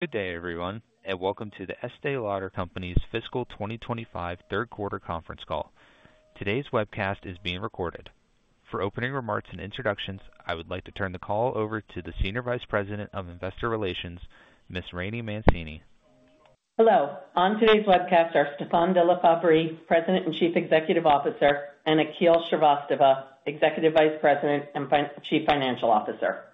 Good day, everyone, and welcome to The Estée Lauder Companies Fiscal 2025 Third Quarter Conference Call. Today's webcast is being recorded. For opening remarks and introductions, I would like to turn the call over to the Senior Vice President of Investor Relations, Ms. Rainey Mancini Hello. On today's webcast are Stéphane de la Faverie, President and Chief Executive Officer, and Akhil Shrivastava, Executive Vice President and Chief Financial Officer.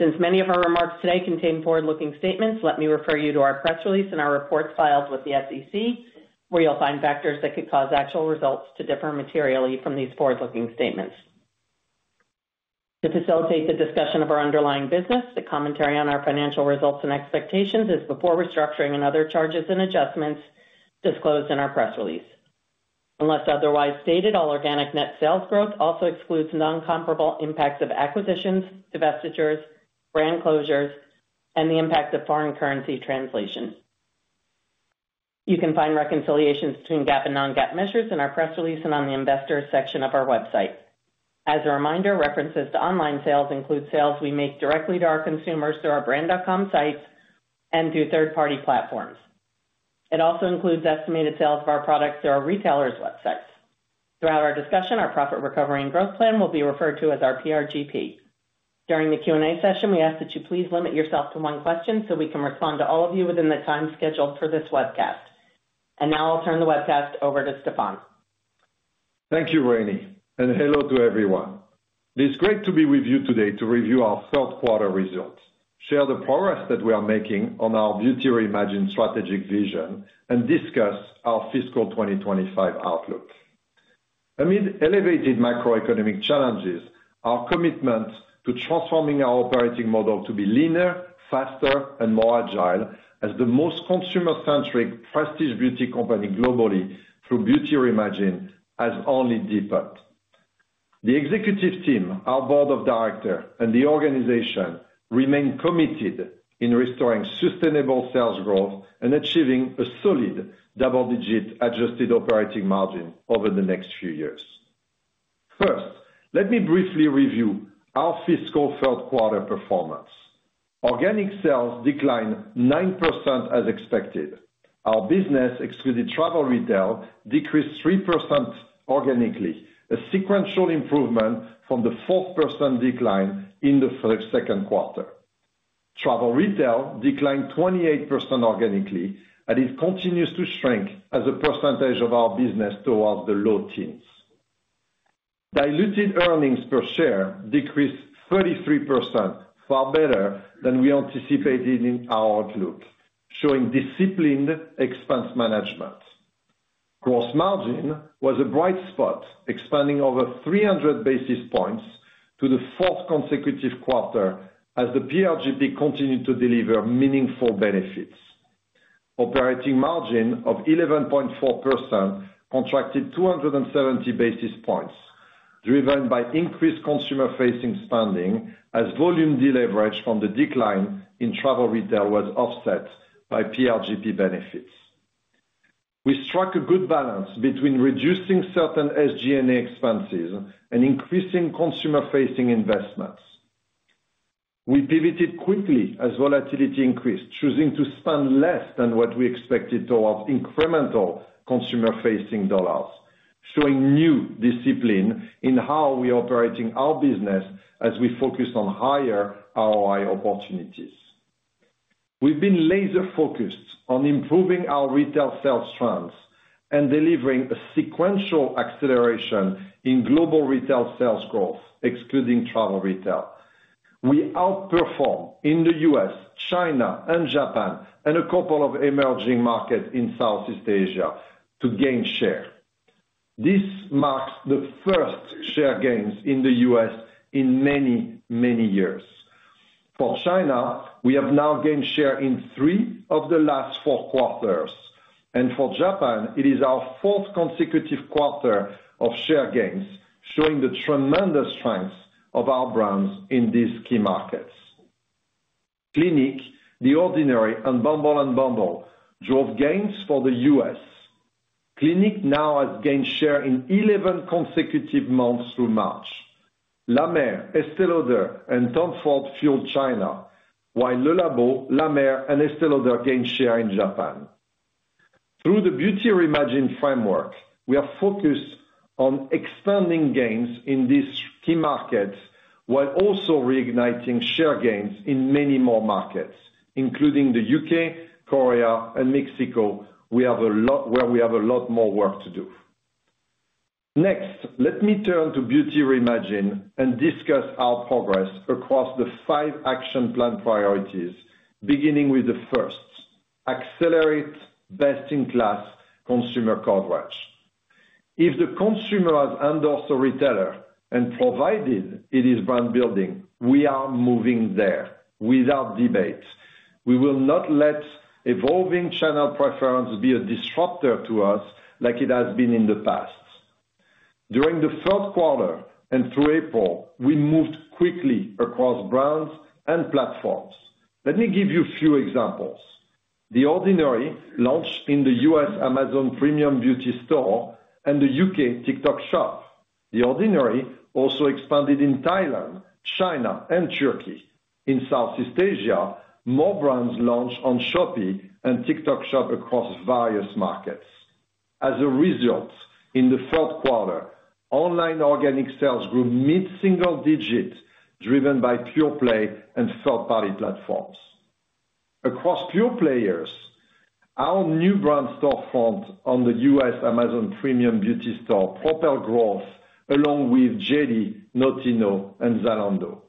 Since many of our remarks today contain forward-looking statements, let me refer you to our press release and our reports filed with the SEC, where you'll find factors that could cause actual results to differ materially from these forward-looking statements. To facilitate the discussion of our underlying business, the commentary on our financial results and expectations is before restructuring and other charges and adjustments disclosed in our press release. Unless otherwise stated, all organic net sales growth also excludes non-comparable impacts of acquisitions, divestitures, grand closures, and the impact of foreign currency translation. You can find reconciliations between GAAP and non-GAAP measures in our press release and on the Investor section of our website. As a reminder, references to online sales include sales we make directly to our consumers through our brand.com sites and through third-party platforms. It also includes estimated sales of our products through our retailers' websites. Throughout our discussion, our Profit Recovery and Growth Plan will be referred to as our PRGP. During the Q&A session, we ask that you please limit yourself to one question so we can respond to all of you within the time scheduled for this webcast. Now I'll turn the webcast over to Stéphane. Thank you, Rainey, and hello to everyone. It is great to be with you today to review our third quarter results, share the progress that we are making on our Beauty Reimagined strategic vision, and discuss our fiscal 2025 outlook. Amid elevated macroeconomic challenges, our commitment to transforming our operating model to be leaner, faster, and more agile as the most consumer-centric prestige beauty company globally through Beauty Reimagined has only deepened. The executive team, our board of directors, and the organization remain committed in restoring sustainable sales growth and achieving a solid double-digit adjusted operating margin over the next few years. First, let me briefly review our fiscal third quarter performance. Organic sales declined 9% as expected. Our business, excluding travel retail, decreased 3% organically, a sequential improvement from the 4% decline in the second quarter. Travel retail declined 28% organically, and it continues to shrink as a percentage of our business towards the low teens. Diluted earnings per share decreased 33%, far better than we anticipated in our outlook, showing disciplined expense management. Gross margin was a bright spot, expanding over 300 basis points to the fourth consecutive quarter as the PRGP continued to deliver meaningful benefits. Operating margin of 11.4% contracted 270 basis points, driven by increased consumer-facing spending as volume deleveraged from the decline in travel retail was offset by PRGP benefits. We struck a good balance between reducing certain SG&A expenses and increasing consumer-facing investments. We pivoted quickly as volatility increased, choosing to spend less than what we expected towards incremental consumer-facing dollars, showing new discipline in how we are operating our business as we focus on higher ROI opportunities. We've been laser-focused on improving our retail sales trends and delivering a sequential acceleration in global retail sales growth, excluding travel retail. We outperform in the U.S., China, and Japan, and a couple of emerging markets in Southeast Asia to gain share. This marks the first share gains in the U.S. in many, many years. For China, we have now gained share in three of the last four quarters, and for Japan, it is our fourth consecutive quarter of share gains, showing the tremendous strength of our brands in these key markets. Clinique, The Ordinary, and Bumble and Bumble drove gains for the U.S. Clinique now has gained share in 11 consecutive months through March. La Mer, Estée Lauder, and Tom Ford fueled China, while Le Labo, La Mer, and Estée Lauder gained share in Japan. Through the Beauty Reimagined framework, we are focused on expanding gains in these key markets while also reigniting share gains in many more markets, including the U.K., Korea, and Mexico, where we have a lot more work to do. Next, let me turn to Beauty Reimagined and discuss our progress across the five action plan priorities, beginning with the first: accelerate best-in-class consumer coverage. If the consumer has endorsed a retailer and provided it is brand building, we are moving there without debate. We will not let evolving channel preference be a disruptor to us like it has been in the past. During the third quarter and through April, we moved quickly across brands and platforms. Let me give you a few examples. The Ordinary launched in the U.S. Amazon Premium Beauty Store and the U.K. TikTok Shop. The Ordinary also expanded in Thailand, China, and Turkey. In Southeast Asia, more brands launched on Shopee and TikTok Shop across various markets. As a result, in the third quarter, online organic sales grew mid-single digit, driven by PurePlay and third-party platforms. Across PurePlayers, our new brand store front on the U.S. Amazon Premium Beauty Store propelled growth along with Jelly, Notino, and Zalando.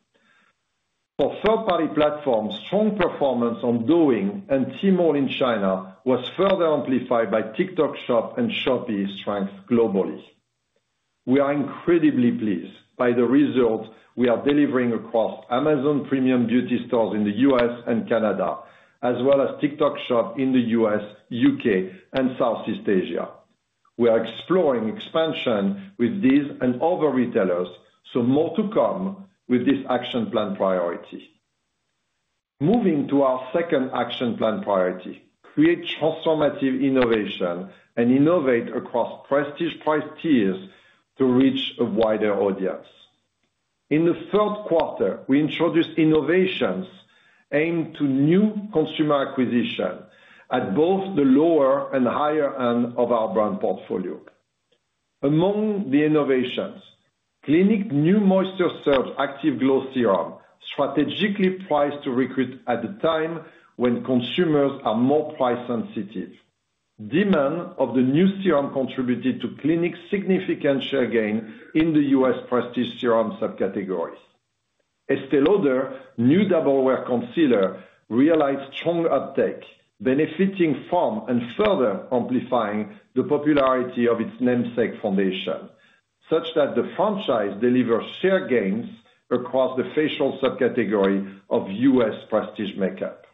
For third-party platforms, strong performance on Douyin and Tmall in China was further amplified by TikTok Shop and Shopee's strength globally. We are incredibly pleased by the results we are delivering across Amazon Premium Beauty Stores in the U.S. and Canada, as well as TikTok Shop in the U.S., U.K., and Southeast Asia. We are exploring expansion with these and other retailers, so more to come with this action plan priority. Moving to our second action plan priority: create transformative innovation and innovate across prestige price tiers to reach a wider audience. In the third quarter, we introduced innovations aimed to new consumer acquisition at both the lower and higher end of our brand portfolio. Among the innovations, Clinique's new Moisture-Serve Active Glow Serum strategically priced to recruit at a time when consumers are more price-sensitive. Demand of the new serum contributed to Clinique's significant share gain in the U.S. prestige serum subcategories. Estée Lauder's new Double Wear Concealer realized strong uptake, benefiting from and further amplifying the popularity of its namesake foundation, such that the franchise delivers share gains across the facial subcategory of U.S. prestige makeup.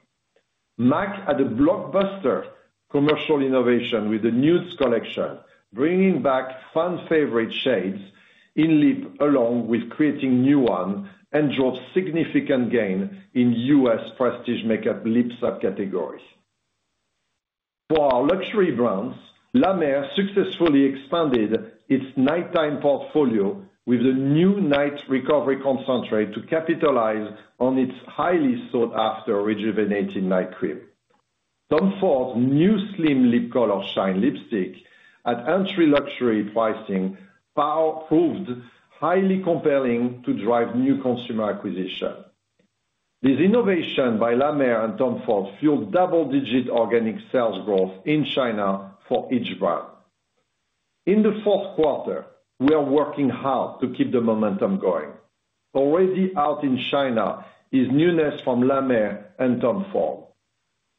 MAC had a blockbuster commercial innovation with the Nudes Collection, bringing back fan-favorite shades in lip along with creating new ones and drove significant gain in U.S. prestige makeup lip subcategories. For our luxury brands, La Mer successfully expanded its nighttime portfolio with a new Night Recovery Concentrate to capitalize on its highly sought-after rejuvenating night cream. Tom Ford's new Slim Lip Color Shine Lipstick, at entry luxury pricing, proved highly compelling to drive new consumer acquisition. This innovation by La Mer and Tom Ford fueled double-digit organic sales growth in China for each brand. In the fourth quarter, we are working hard to keep the momentum going. Already out in China is newness from La Mer and Tom Ford.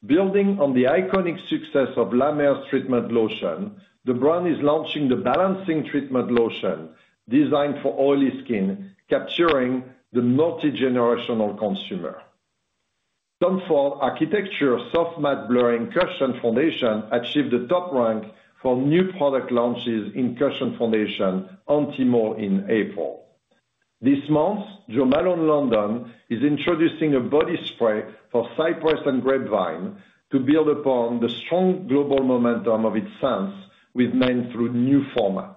Building on the iconic success of La Mer's treatment lotion, the brand is launching the Balancing Treatment Lotion, designed for oily skin, capturing the multi-generational consumer. Tom Ford Architecture Soft Matte Blurring Cushion Foundation achieved the top rank for new product launches in cushion foundation on Tmall in April. This month, Jo Malone London is introducing a body spray for Cypress & Grapevine to build upon the strong global momentum of its sense we have made through new formats.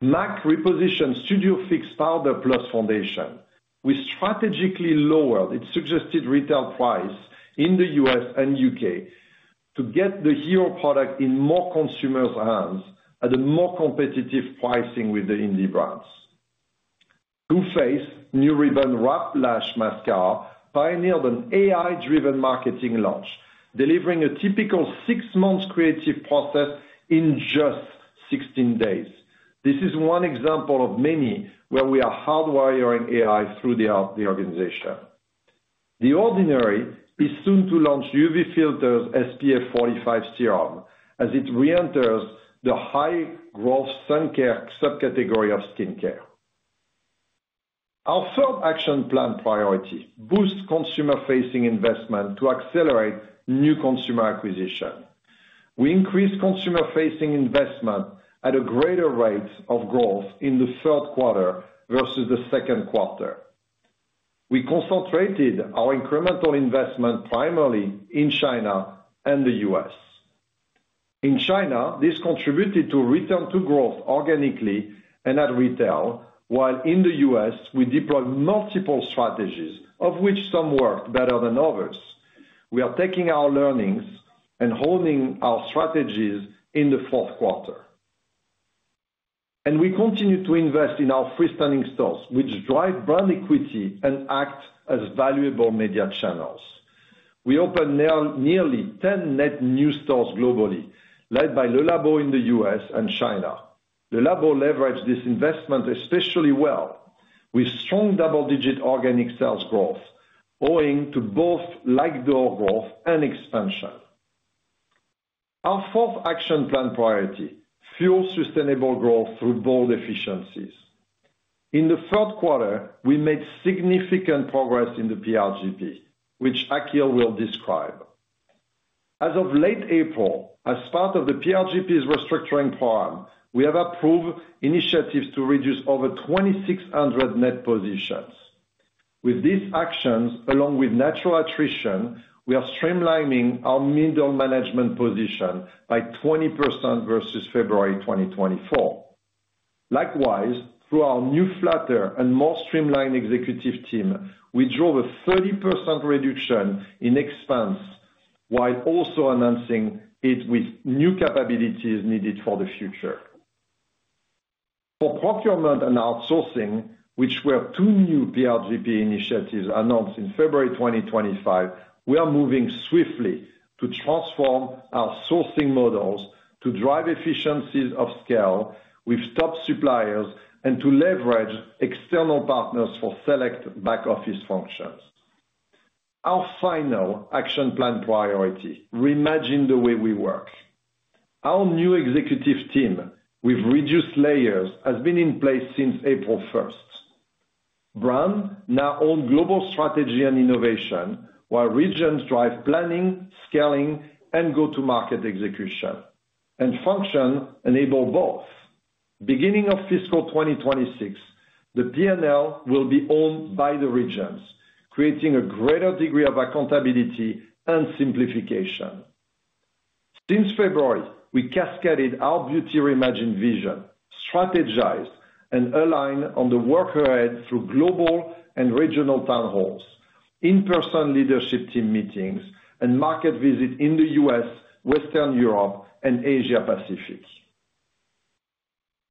MAC repositioned Studio Fix Powder Plus Foundation. We strategically lowered its suggested retail price in the U.S. and U.K. to get the Hero product in more consumers' hands at a more competitive pricing with the indie brands. Too Faced, new Ribbon Wrap Lash Mascara, pioneered an AI-driven marketing launch, delivering a typical six-month creative process in just 16 days. This is one example of many where we are hardwiring AI through the organization. The Ordinary is soon to launch UV Filters SPF 45 Serum as it reenters the high-growth sun care subcategory of skincare. Our third action plan priority: boost consumer-facing investment to accelerate new consumer acquisition. We increased consumer-facing investment at a greater rate of growth in the third quarter versus the second quarter. We concentrated our incremental investment primarily in China and the U.S. In China, this contributed to return to growth organically and at retail, while in the U.S., we deployed multiple strategies, of which some worked better than others. We are taking our learnings and honing our strategies in the fourth quarter. We continue to invest in our freestanding stores, which drive brand equity and act as valuable media channels. We opened nearly 10 net new stores globally, led by Le Labo in the U.S. and China. Le Labo leveraged this investment especially well, with strong double-digit organic sales growth, owing to both like-door growth and expansion. Our fourth action plan priority: fuel sustainable growth through bold efficiencies. In the third quarter, we made significant progress in the PRGP, which Akhil will describe. As of late April, as part of the PRGP's restructuring plan, we have approved initiatives to reduce over 2,600 net positions. With these actions, along with natural attrition, we are streamlining our middle management position by 20% versus February 2024. Likewise, through our new flatter and more streamlined executive team, we drove a 30% reduction in expense while also announcing it with new capabilities needed for the future. For procurement and outsourcing, which were two new PRGP initiatives announced in February 2024, we are moving swiftly to transform our sourcing models to drive efficiencies of scale with top suppliers and to leverage external partners for select back-office functions. Our final action plan priority: reimagine the way we work. Our new executive team with reduced layers has been in place since April 1. Brand now owns global strategy and innovation, while regions drive planning, scaling, and go-to-market execution. Function enables both. Beginning of fiscal 2026, the P&L will be owned by the regions, creating a greater degree of accountability and simplification. Since February, we cascaded our Beauty Reimagined vision, strategized, and aligned on the work ahead through global and regional town halls, in-person leadership team meetings, and market visits in the U.S., Western Europe, and Asia-Pacific.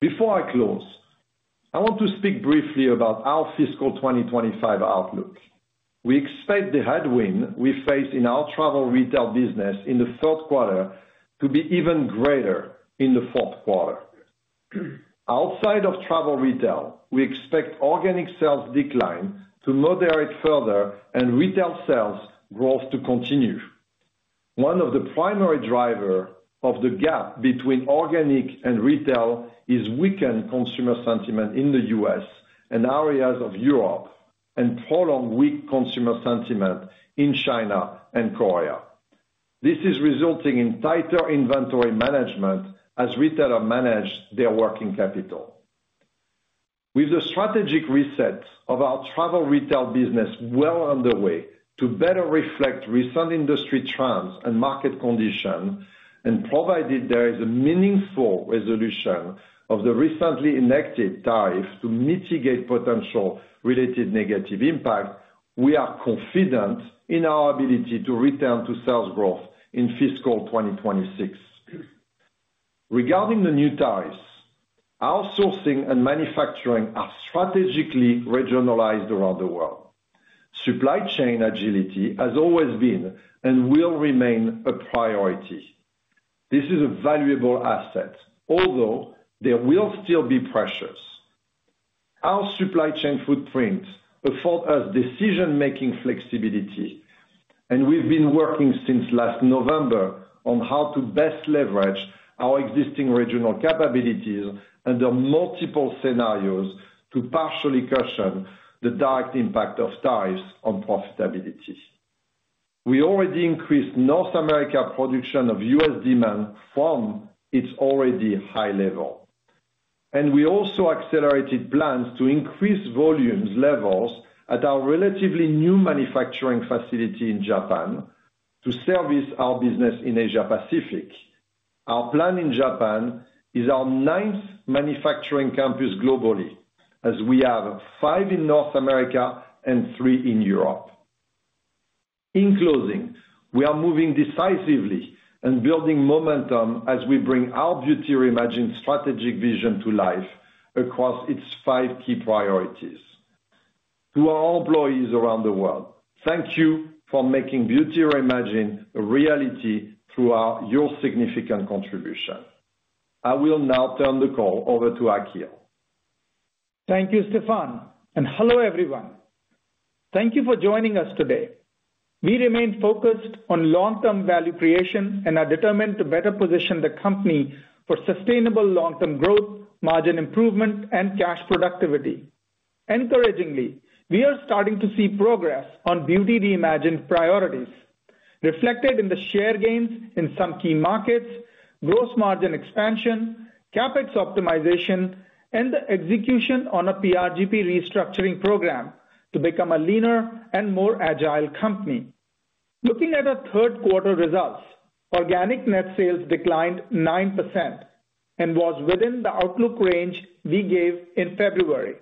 Before I close, I want to speak briefly about our fiscal 2025 outlook. We expect the headwind we face in our travel retail business in the third quarter to be even greater in the fourth quarter. Outside of travel retail, we expect organic sales decline to moderate further and retail sales growth to continue. One of the primary drivers of the gap between organic and retail is weakened consumer sentiment in the U.S. and areas of Europe and prolonged weak consumer sentiment in China and Korea. This is resulting in tighter inventory management as retailers manage their working capital. With the strategic reset of our travel retail business well underway to better reflect recent industry trends and market conditions and provided there is a meaningful resolution of the recently enacted tariff to mitigate potential related negative impact, we are confident in our ability to return to sales growth in fiscal 2026. Regarding the new tariffs, our sourcing and manufacturing are strategically regionalized around the world. Supply chain agility has always been and will remain a priority. This is a valuable asset, although there will still be pressures. Our supply chain footprint affords us decision-making flexibility, and we've been working since last November on how to best leverage our existing regional capabilities under multiple scenarios to partially cushion the direct impact of tariffs on profitability. We already increased North America production of U.S. demand from its already high level. We also accelerated plans to increase volumes levels at our relatively new manufacturing facility in Japan to service our business in Asia-Pacific. Our plant in Japan is our ninth manufacturing campus globally, as we have five in North America and three in Europe. In closing, we are moving decisively and building momentum as we bring our Beauty Reimagined strategic vision to life across its five key priorities. To our employees around the world, thank you for making Beauty Reimagined a reality through your significant contribution. I will now turn the call over to Akhil. Thank you, Stéphane, and hello everyone. Thank you for joining us today. We remain focused on long-term value creation and are determined to better position the company for sustainable long-term growth, margin improvement, and cash productivity. Encouragingly, we are starting to see progress on Beauty Reimagined priorities, reflected in the share gains in some key markets, gross margin expansion, CapEx optimization, and the execution on a PRGP restructuring program to become a leaner and more agile company. Looking at our third quarter results, organic net sales declined 9% and was within the outlook range we gave in February.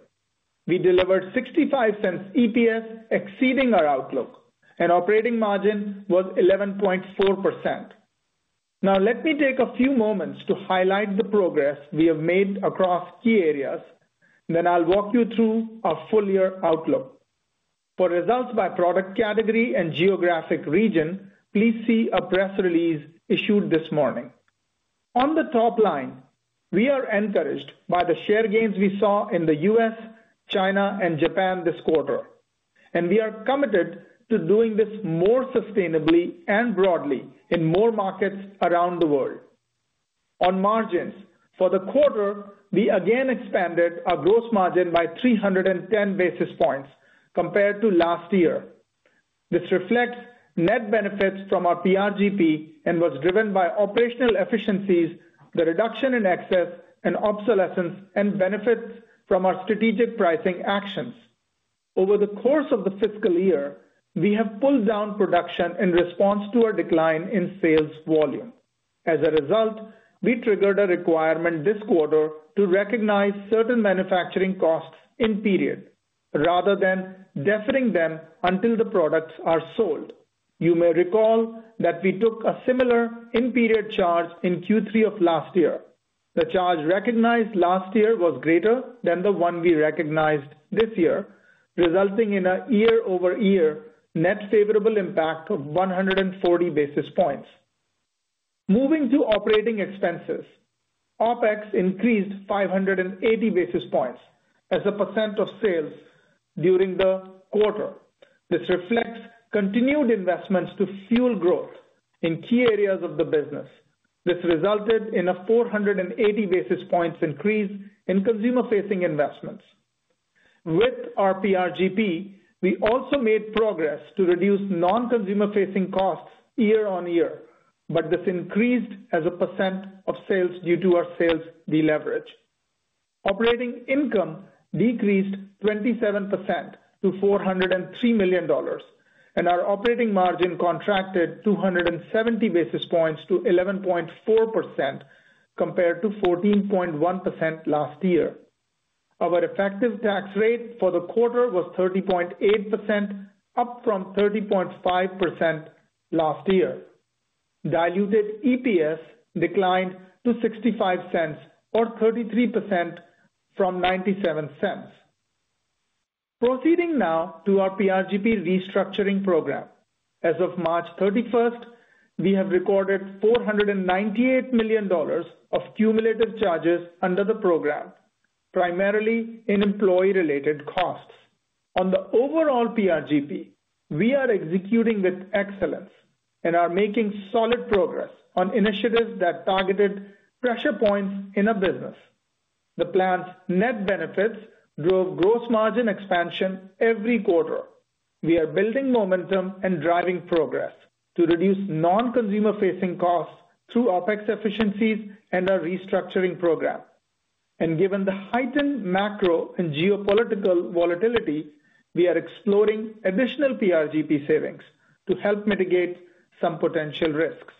We delivered $0.65 EPS, exceeding our outlook, and operating margin was 11.4%. Now, let me take a few moments to highlight the progress we have made across key areas, then I'll walk you through our full year outlook. For results by product category and geographic region, please see a press release issued this morning. On the top line, we are encouraged by the share gains we saw in the U.S., China, and Japan this quarter, and we are committed to doing this more sustainably and broadly in more markets around the world. On margins, for the quarter, we again expanded our gross margin by 310 basis points compared to last year. This reflects net benefits from our PRGP and was driven by operational efficiencies, the reduction in excess and obsolescence, and benefits from our strategic pricing actions. Over the course of the fiscal year, we have pulled down production in response to a decline in sales volume. As a result, we triggered a requirement this quarter to recognize certain manufacturing costs in period rather than deferring them until the products are sold. You may recall that we took a similar in-period charge in Q3 of last year. The charge recognized last year was greater than the one we recognized this year, resulting in a year-over-year net favorable impact of 140 basis points. Moving to operating expenses, OpEx increased 580 basis points as a percent of sales during the quarter. This reflects continued investments to fuel growth in key areas of the business. This resulted in a 480 basis points increase in consumer-facing investments. With our PRGP, we also made progress to reduce non-consumer-facing costs year on year, but this increased as a percent of sales due to our sales deleverage. Operating income decreased 27% to $403 million, and our operating margin contracted 270 basis points to 11.4% compared to 14.1% last year. Our effective tax rate for the quarter was 30.8%, up from 30.5% last year. Diluted EPS declined to $0.65, or 33% from $0.97. Proceeding now to our PRGP restructuring program. As of March 31, we have recorded $498 million of cumulative charges under the program, primarily in employee-related costs. On the overall PRGP, we are executing with excellence and are making solid progress on initiatives that targeted pressure points in a business. The plan's net benefits drove gross margin expansion every quarter. We are building momentum and driving progress to reduce non-consumer-facing costs through OpEx efficiencies and our restructuring program. Given the heightened macro and geopolitical volatility, we are exploring additional PRGP savings to help mitigate some potential risks.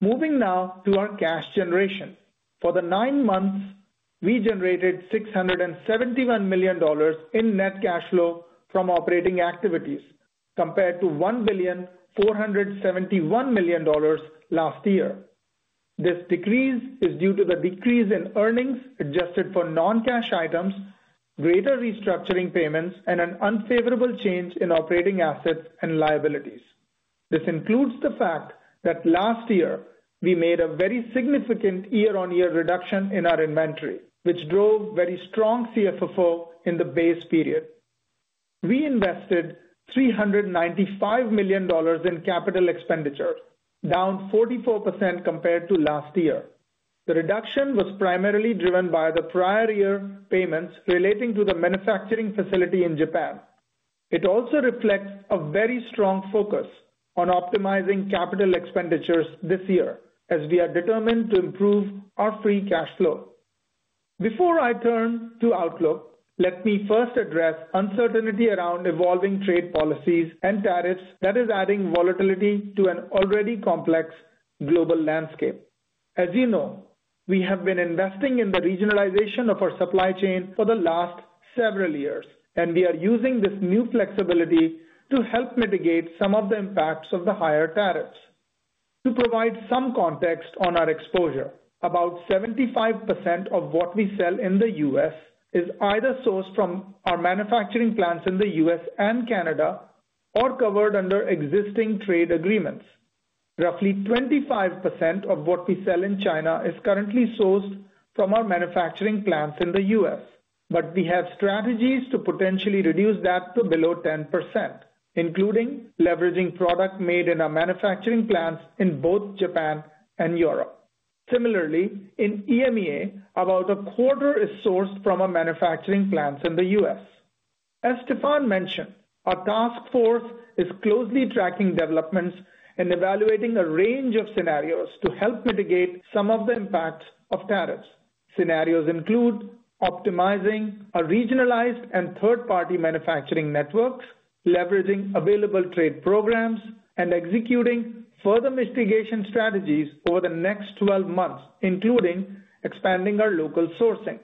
Moving now to our cash generation. For the nine months, we generated $671 million in net cash flow from operating activities compared to $1,471 million last year. This decrease is due to the decrease in earnings adjusted for non-cash items, greater restructuring payments, and an unfavorable change in operating assets and liabilities. This includes the fact that last year, we made a very significant year-on-year reduction in our inventory, which drove very strong CFFO in the base period. We invested $395 million in capital expenditure, down 44% compared to last year. The reduction was primarily driven by the prior year payments relating to the manufacturing facility in Japan. It also reflects a very strong focus on optimizing capital expenditures this year, as we are determined to improve our free cash flow. Before I turn to outlook, let me first address uncertainty around evolving trade policies and tariffs that are adding volatility to an already complex global landscape. As you know, we have been investing in the regionalization of our supply chain for the last several years, and we are using this new flexibility to help mitigate some of the impacts of the higher tariffs. To provide some context on our exposure, about 75% of what we sell in the U.S. is either sourced from our manufacturing plants in the U.S. and Canada or covered under existing trade agreements. Roughly 25% of what we sell in China is currently sourced from our manufacturing plants in the U.S., but we have strategies to potentially reduce that to below 10%, including leveraging product made in our manufacturing plants in both Japan and Europe. Similarly, in EMEA, about a quarter is sourced from our manufacturing plants in the U.S. As Stefan mentioned, our task force is closely tracking developments and evaluating a range of scenarios to help mitigate some of the impacts of tariffs. Scenarios include optimizing our regionalized and third-party manufacturing networks, leveraging available trade programs, and executing further mitigation strategies over the next 12 months, including expanding our local sourcing.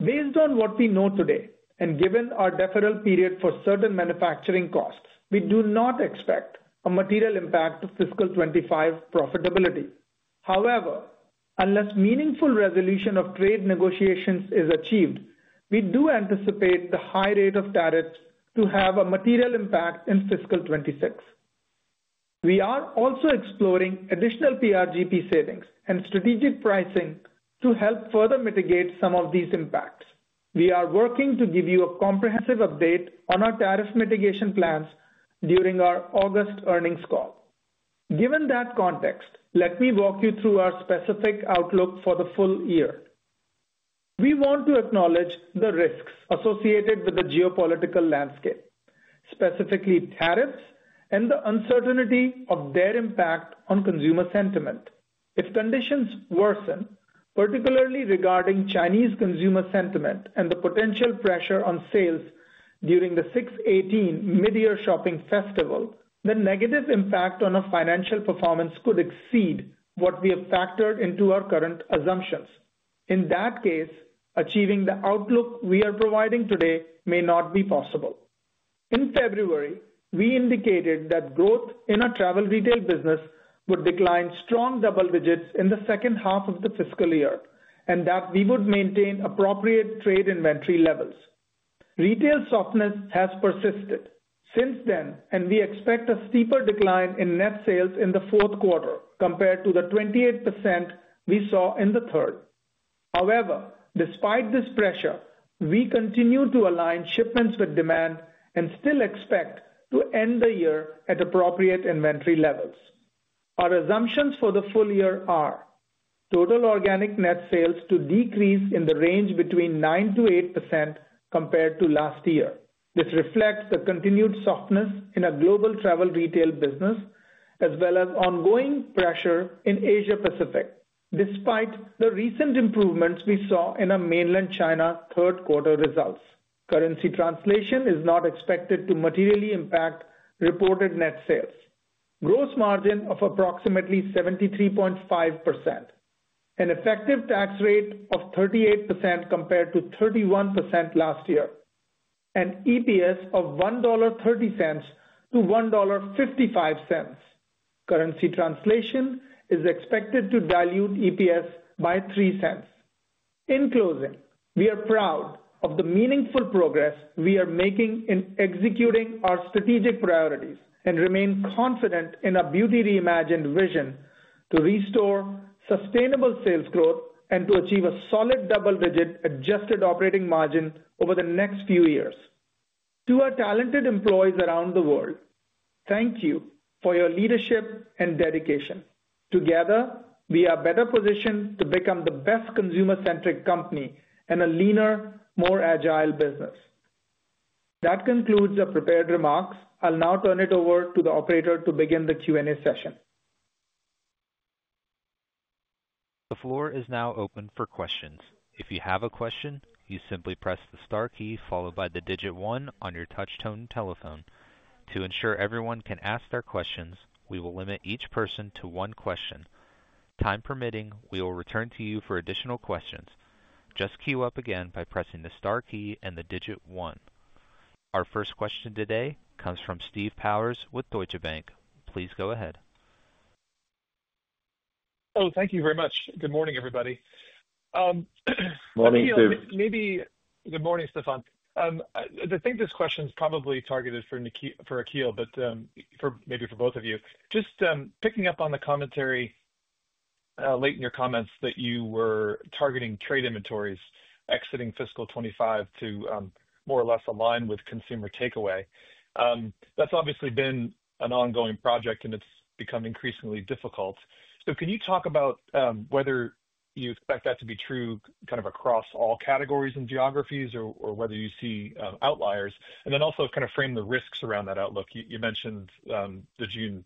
Based on what we know today and given our deferral period for certain manufacturing costs, we do not expect a material impact on fiscal 2025 profitability. However, unless meaningful resolution of trade negotiations is achieved, we do anticipate the high rate of tariffs to have a material impact in fiscal 2026. We are also exploring additional PRGP savings and strategic pricing to help further mitigate some of these impacts. We are working to give you a comprehensive update on our tariff mitigation plans during our August earnings call. Given that context, let me walk you through our specific outlook for the full year. We want to acknowledge the risks associated with the geopolitical landscape, specifically tariffs and the uncertainty of their impact on consumer sentiment. If conditions worsen, particularly regarding Chinese consumer sentiment and the potential pressure on sales during the 618 mid-year shopping festival, the negative impact on our financial performance could exceed what we have factored into our current assumptions. In that case, achieving the outlook we are providing today may not be possible. In February, we indicated that growth in our travel retail business would decline strong double digits in the second half of the fiscal year and that we would maintain appropriate trade inventory levels. Retail softness has persisted since then, and we expect a steeper decline in net sales in the fourth quarter compared to the 28% we saw in the third. However, despite this pressure, we continue to align shipments with demand and still expect to end the year at appropriate inventory levels. Our assumptions for the full year are total organic net sales to decrease in the range between 9%-8% compared to last year. This reflects the continued softness in a global travel retail business, as well as ongoing pressure in Asia-Pacific, despite the recent improvements we saw in our mainland China third quarter results. Currency translation is not expected to materially impact reported net sales. Gross margin of approximately 73.5%, an effective tax rate of 38% compared to 31% last year, and EPS of $1.30-$1.55. Currency translation is expected to dilute EPS by 3 cents. In closing, we are proud of the meaningful progress we are making in executing our strategic priorities and remain confident in our Beauty Reimagined vision to restore sustainable sales growth and to achieve a solid double-digit adjusted operating margin over the next few years. To our talented employees around the world, thank you for your leadership and dedication. Together, we are better positioned to become the best consumer-centric company and a leaner, more agile business. That concludes our prepared remarks. I'll now turn it over to the operator to begin the Q&A session. The floor is now open for questions. If you have a question, you simply press the star key followed by the digit one on your touch-tone telephone. To ensure everyone can ask their questions, we will limit each person to one question. Time permitting, we will return to you for additional questions. Just queue up again by pressing the star key and the digit one. Our first question today comes from Steve Powers with Deutsche Bank. Please go ahead. Hello. Thank you very much. Good morning, everybody. Morning too. Maybe good morning, Stéphane. I think this question is probably targeted for Akhil, but maybe for both of you. Just picking up on the commentary late in your comments that you were targeting trade inventories exiting fiscal 2025 to more or less align with consumer takeaway. That's obviously been an ongoing project, and it's become increasingly difficult. Can you talk about whether you expect that to be true kind of across all categories and geographies, or whether you see outliers, and then also kind of frame the risks around that outlook? You mentioned the June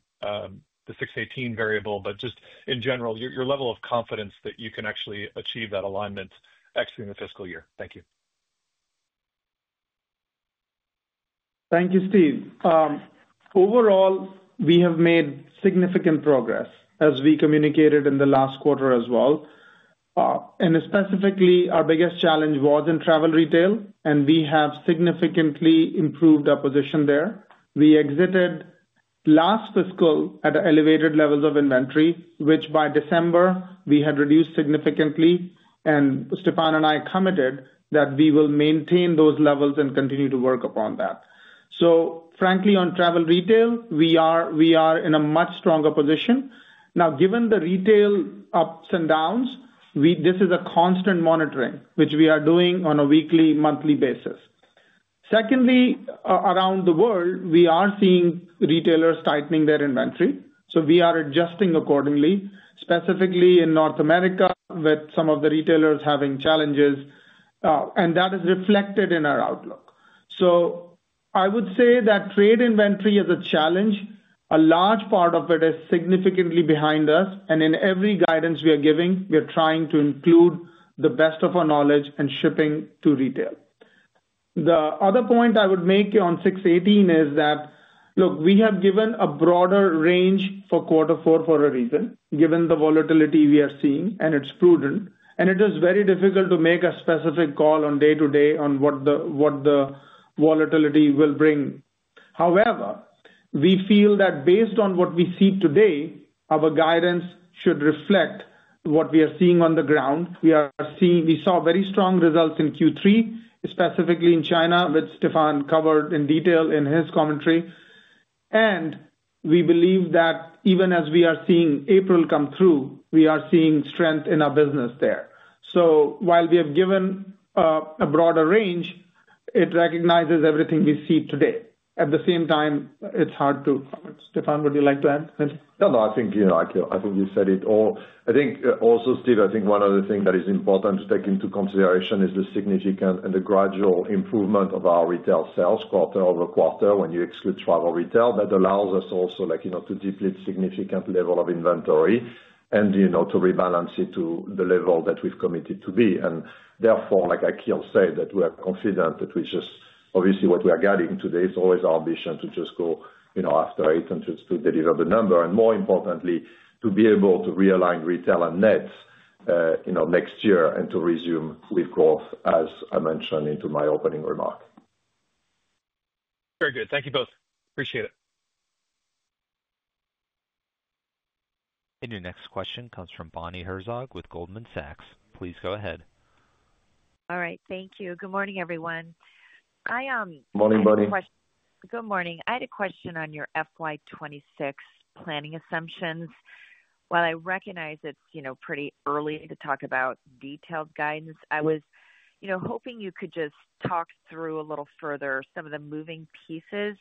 618 variable, but just in general, your level of confidence that you can actually achieve that alignment exiting the fiscal year. Thank you. Thank you, Steve. Overall, we have made significant progress as we communicated in the last quarter as well. Specifically, our biggest challenge was in travel retail, and we have significantly improved our position there. We exited last fiscal at elevated levels of inventory, which by December, we had reduced significantly. Stéphane and I committed that we will maintain those levels and continue to work upon that. Frankly, on travel retail, we are in a much stronger position. Now, given the retail ups and downs, this is a constant monitoring, which we are doing on a weekly, monthly basis. Secondly, around the world, we are seeing retailers tightening their inventory. We are adjusting accordingly, specifically in North America, with some of the retailers having challenges, and that is reflected in our outlook. I would say that trade inventory is a challenge. A large part of it is significantly behind us. In every guidance we are giving, we are trying to include the best of our knowledge and shipping to retail. The other point I would make on 618 is that, look, we have given a broader range for quarter four for a reason, given the volatility we are seeing, and it's prudent. It is very difficult to make a specific call day-to-day on what the volatility will bring. However, we feel that based on what we see today, our guidance should reflect what we are seeing on the ground. We saw very strong results in Q3, specifically in China, which Stéphane covered in detail in his commentary. We believe that even as we are seeing April come through, we are seeing strength in our business there. While we have given a broader range, it recognizes everything we see today. At the same time, it is hard to comment. Stéphane, would you like to add? No, no. I think you said it all. I think also, Steve, I think one other thing that is important to take into consideration is the significant and the gradual improvement of our retail sales quarter over quarter when you exclude travel retail. That allows us also to deplete significant level of inventory and to rebalance it to the level that we have committed to be. Therefore, like Akhil said, we are confident that we just obviously what we are getting today is always our ambition to just go after eight and just to deliver the number. More importantly, to be able to realign retail and nets next year and to resume with growth, as I mentioned in my opening remark. Very good. Thank you both. Appreciate it. Your next question comes from Bonnie Herzog with Goldman Sachs. Please go ahead. All right. Thank you. Good morning, everyone. I had a question. Good morning. I had a question on your FY26 planning assumptions. While I recognize it's pretty early to talk about detailed guidance, I was hoping you could just talk through a little further some of the moving pieces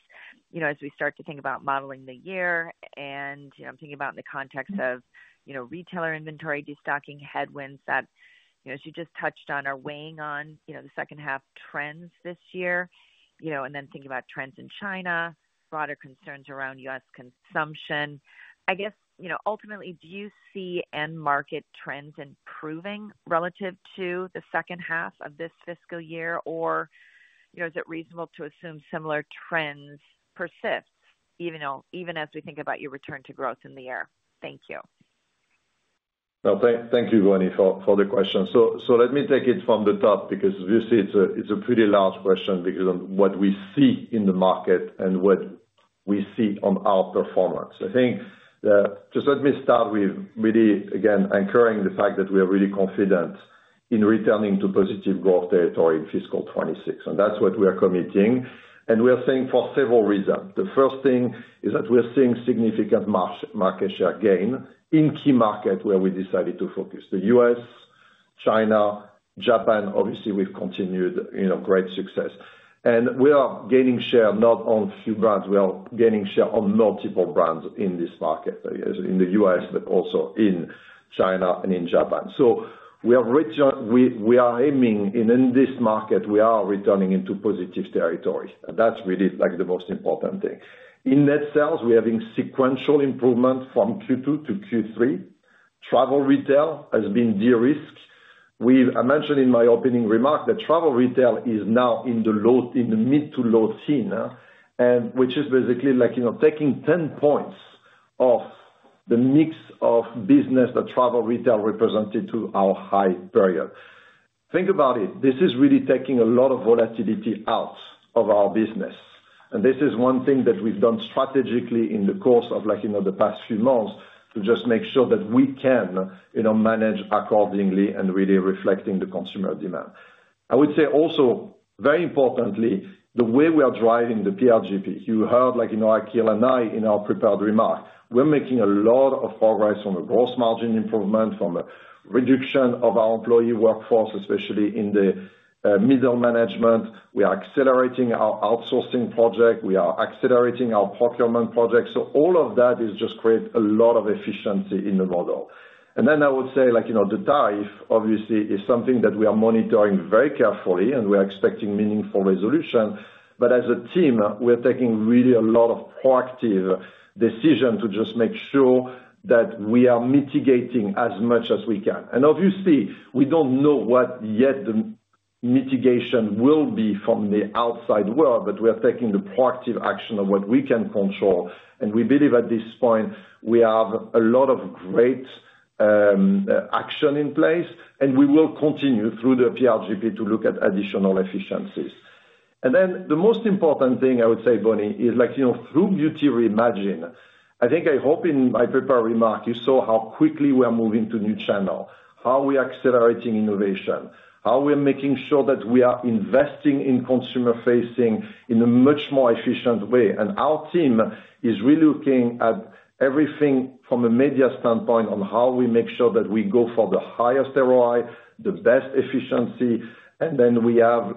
as we start to think about modeling the year. I'm thinking about in the context of retailer inventory destocking headwinds that, as you just touched on, are weighing on the second-half trends this year. Then thinking about trends in China, broader concerns around U.S. consumption. I guess, ultimately, do you see end market trends improving relative to the second half of this fiscal year, or is it reasonable to assume similar trends persist even as we think about your return to growth in the year? Thank you. Thank you, Bonnie, for the question. Let me take it from the top because obviously, it's a pretty large question based on what we see in the market and what we see on our performance. I think just let me start with really, again, anchoring the fact that we are really confident in returning to positive growth territory in fiscal 2026. That's what we are committing. We are saying for several reasons. The first thing is that we're seeing significant market share gain in key markets where we decided to focus: the U.S., China, Japan. Obviously, we've continued great success. We are gaining share not on a few brands. We are gaining share on multiple brands in this market, in the U.S., but also in China and in Japan. We are aiming in this market; we are returning into positive territory. That's really the most important thing. In net sales, we are having sequential improvement from Q2 to Q3. Travel retail has been de-risked. I mentioned in my opening remark that travel retail is now in the mid to low teen, which is basically taking 10 points off the mix of business that travel retail represented to our high period. Think about it. This is really taking a lot of volatility out of our business. This is one thing that we've done strategically in the course of the past few months to just make sure that we can manage accordingly and really reflecting the consumer demand. I would say also, very importantly, the way we are driving the PRGP. You heard Akhil and I in our prepared remark. We're making a lot of progress on the gross margin improvement from a reduction of our employee workforce, especially in the middle management. We are accelerating our outsourcing project. We are accelerating our procurement project. All of that is just creating a lot of efficiency in the model. I would say the tariff, obviously, is something that we are monitoring very carefully, and we are expecting meaningful resolution. As a team, we are taking really a lot of proactive decisions to just make sure that we are mitigating as much as we can. Obviously, we do not know what yet the mitigation will be from the outside world, but we are taking the proactive action of what we can control. We believe at this point, we have a lot of great action in place, and we will continue through the PRGP to look at additional efficiencies. The most important thing I would say, Bonnie, is through Beauty Reimagined, I think I hope in my prepared remark, you saw how quickly we are moving to a new channel, how we are accelerating innovation, how we are making sure that we are investing in consumer-facing in a much more efficient way. Our team is really looking at everything from a media standpoint on how we make sure that we go for the highest ROI, the best efficiency. We have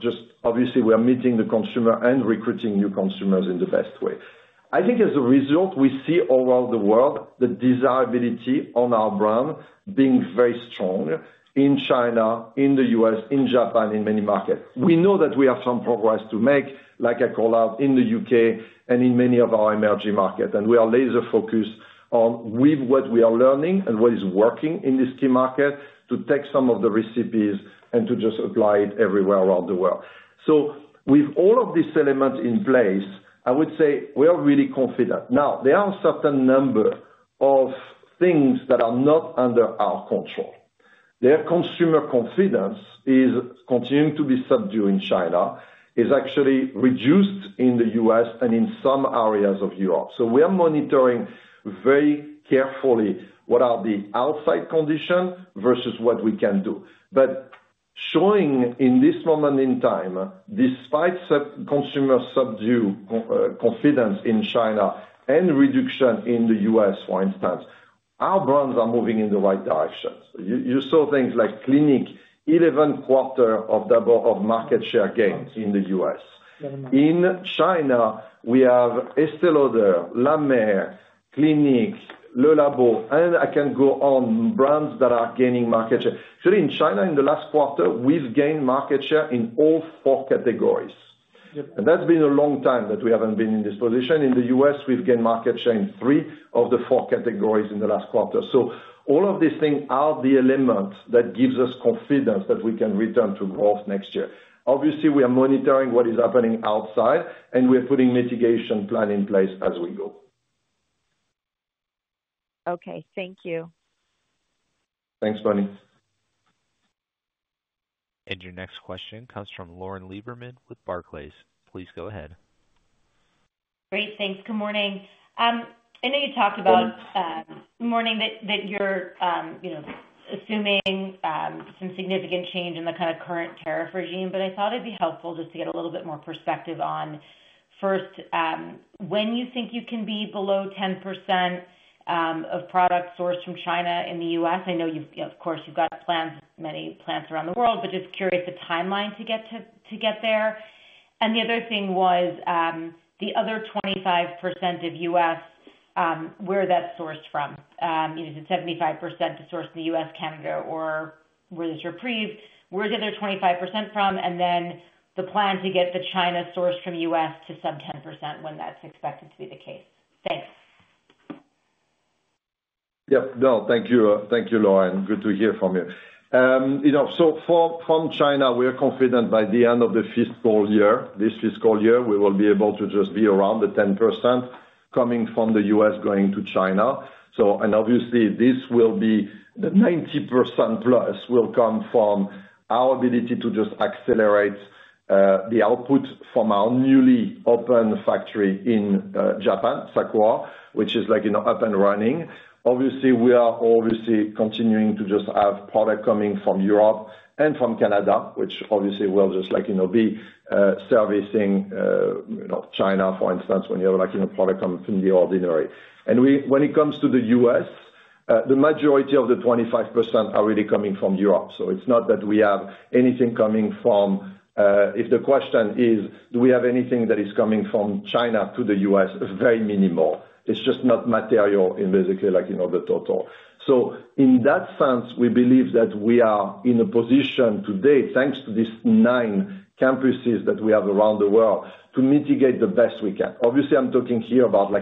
just obviously, we are meeting the consumer and recruiting new consumers in the best way. I think as a result, we see all around the world the desirability on our brand being very strong in China, in the U.S., in Japan, in many markets. We know that we have some progress to make, like I called out, in the U.K. and in many of our emerging markets. We are laser-focused on what we are learning and what is working in this key market to take some of the recipes and to just apply it everywhere around the world. With all of these elements in place, I would say we are really confident. Now, there are a certain number of things that are not under our control. Their consumer confidence is continuing to be subdued in China, is actually reduced in the U.S. and in some areas of Europe. We are monitoring very carefully what are the outside conditions versus what we can do. Showing in this moment in time, despite consumer subdued confidence in China and reduction in the U.S., for instance, our brands are moving in the right direction. You saw things like Clinique, 11 quarters of market share gained in the U.S. In China, we have Estée Lauder, La Mer, Clinique, Le Labo, and I can go on brands that are gaining market share. Actually, in China, in the last quarter, we have gained market share in all four categories. That has been a long time that we have not been in this position. In the U.S., we've gained market share in three of the four categories in the last quarter. All of these things are the elements that give us confidence that we can return to growth next year. Obviously, we are monitoring what is happening outside, and we are putting mitigation plans in place as we go. Thank you. Thanks, Bonnie. Your next question comes from Lauren Lieberman with Barclays. Please go ahead. Great. Thanks. Good morning. I know you talked about good morning that you're assuming some significant change in the kind of current tariff regime, but I thought it'd be helpful just to get a little bit more perspective on first, when you think you can be below 10% of product sourced from China in the U.S. I know, of course, you've got many plants around the world, but just curious the timeline to get there. The other thing was the other 25% of U.S., where is that sourced from? Is it 75% to source in the U.S., Canada, or where does it reprieve? Where is the other 25% from? The plan to get the China sourced from U.S. to sub 10%, when is that expected to be the case? Thanks. Yep. No, thank you, Lauren. Good to hear from you. From China, we are confident by the end of this fiscal year, we will be able to just be around the 10% coming from the U.S. going to China. Obviously, the 90% plus will come from our ability to just accelerate the output from our newly opened factory in Japan, Sakura, which is up and running. Obviously, we are continuing to just have product coming from Europe and from Canada, which obviously will just be servicing China, for instance, when you have a product from The Ordinary. When it comes to the U.S., the majority of the 25% are really coming from Europe. It is not that we have anything coming from, if the question is, do we have anything that is coming from China to the U.S., very minimal. It is just not material in basically the total. In that sense, we believe that we are in a position today, thanks to these nine campuses that we have around the world, to mitigate the best we can. Obviously, I am talking here about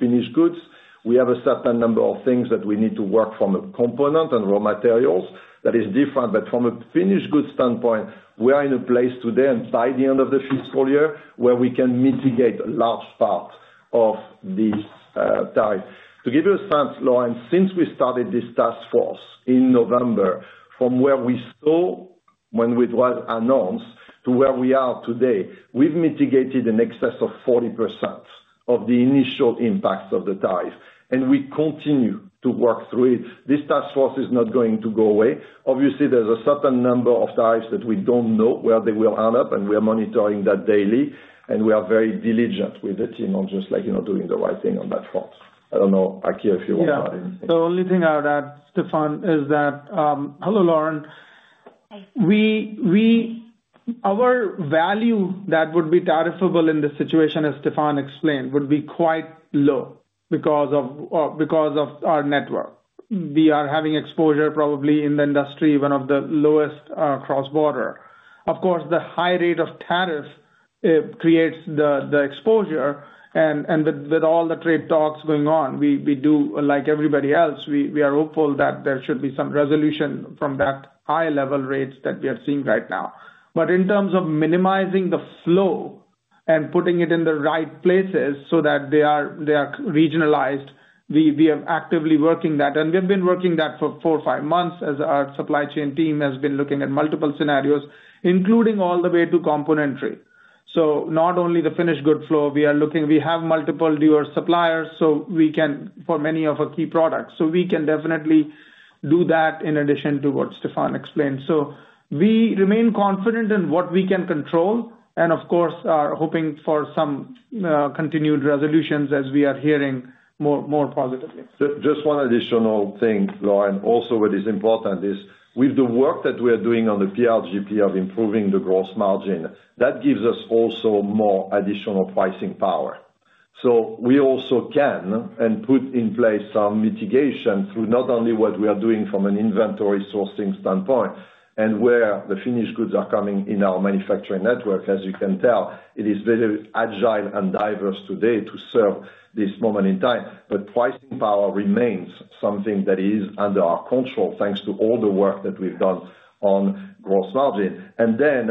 finished goods. We have a certain number of things that we need to work from a component and raw materials that is different. From a finished goods standpoint, we are in a place today and by the end of the fiscal year where we can mitigate a large part of these tariffs. To give you a sense, Lauren, since we started this task force in November, from where we saw when it was announced to where we are today, we have mitigated in excess of 40% of the initial impacts of the tariff. We continue to work through it. This task force is not going to go away. Obviously, there is a certain number of tariffs that we do not know where they will end up, and we are monitoring that daily. We are very diligent with the team on just doing the right thing on that front. I do not know, Aki, if you want to add anything. Yeah. The only thing I would add, Stéphane, is that, hello, Lauren. Our value that would be tariffable in this situation, as Stefan explained, would be quite low because of our network. We are having exposure probably in the industry, one of the lowest cross-border. Of course, the high rate of tariff creates the exposure. With all the trade talks going on, we do, like everybody else, we are hopeful that there should be some resolution from that high-level rates that we are seeing right now. In terms of minimizing the flow and putting it in the right places so that they are regionalized, we are actively working that. We have been working that for four or five months as our supply chain team has been looking at multiple scenarios, including all the way to componentry. Not only the finished goods flow, we have multiple dealer suppliers for many of our key products. We can definitely do that in addition to what Stefan explained. We remain confident in what we can control and, of course, are hoping for some continued resolutions as we are hearing more positively. Just one additional thing, Lauren, also what is important is with the work that we are doing on the PRGP of improving the gross margin, that gives us also more additional pricing power. We also can and put in place some mitigation through not only what we are doing from an inventory sourcing standpoint and where the finished goods are coming in our manufacturing network. As you can tell, it is very agile and diverse today to serve this moment in time. Pricing power remains something that is under our control thanks to all the work that we've done on gross margin.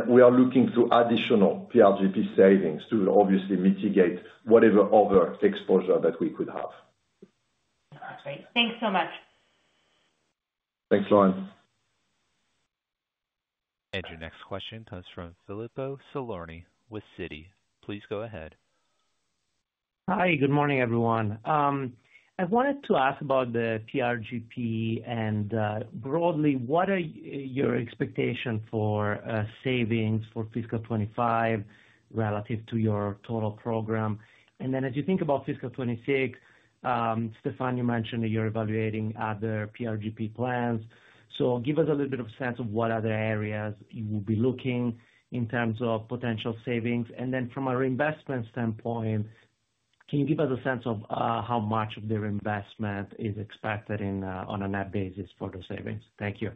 We are looking to additional PRGP savings to obviously mitigate whatever other exposure that we could have. Great.Thanks so much. Thanks, Lauren. Your next question comes from Filippo Falorni with Citi. Please go ahead. Hi.Good morning, everyone. I wanted to ask about the PRGP and broadly, what are your expectations for savings for fiscal 2025 relative to your total program? As you think about fiscal 2026, Stéphane, you mentioned that you're evaluating other PRGP plans. Give us a little bit of a sense of what other areas you will be looking in terms of potential savings. From a reinvestment standpoint, can you give us a sense of how much of the reinvestment is expected on a net basis for the savings? Thank you.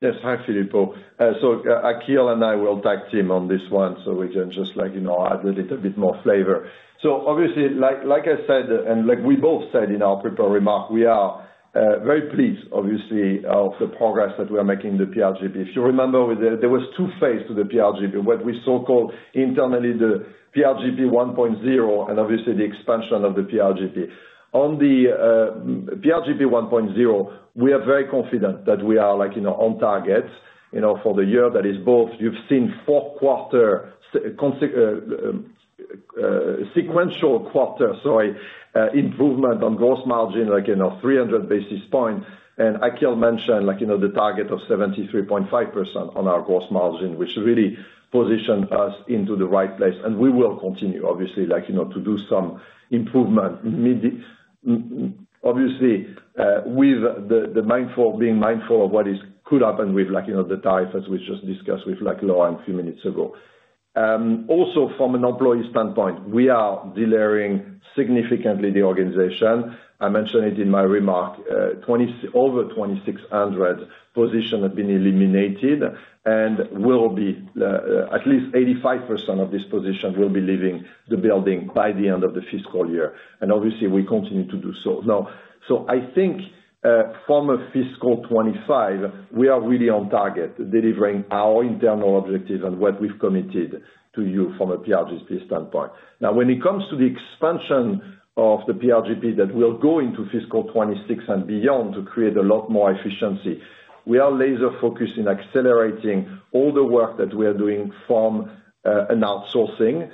Yes. Hi, Filippo. Akhil and I will tag team on this one so we can just add a little bit more flavor. Obviously, like I said, and like we both said in our prepared remark, we are very pleased, obviously, of the progress that we are making in the PRGP. If you remember, there were two phases to the PRGP, what we so-called internally the PRGP 1.0 and obviously the expansion of the PRGP. On the PRGP 1.0, we are very confident that we are on target for the year. That is both you've seen four quarter sequential quarter, sorry, improvement on gross margin of 300 basis points. Akhil mentioned the target of 73.5% on our gross margin, which really positioned us into the right place. We will continue, obviously, to do some improvement, obviously, with being mindful of what could happen with the tariff as we just discussed with Laura a few minutes ago. Also, from an employee standpoint, we are delivering significantly the organization. I mentioned it in my remark, over 2,600 positions have been eliminated, and at least 85% of these positions will be leaving the building by the end of the fiscal year. Obviously, we continue to do so. I think from a fiscal 2025, we are really on target delivering our internal objectives and what we've committed to you from a PRGP standpoint. Now, when it comes to the expansion of the PRGP that will go into fiscal 2026 and beyond to create a lot more efficiency, we are laser-focused in accelerating all the work that we are doing from an outsourcing.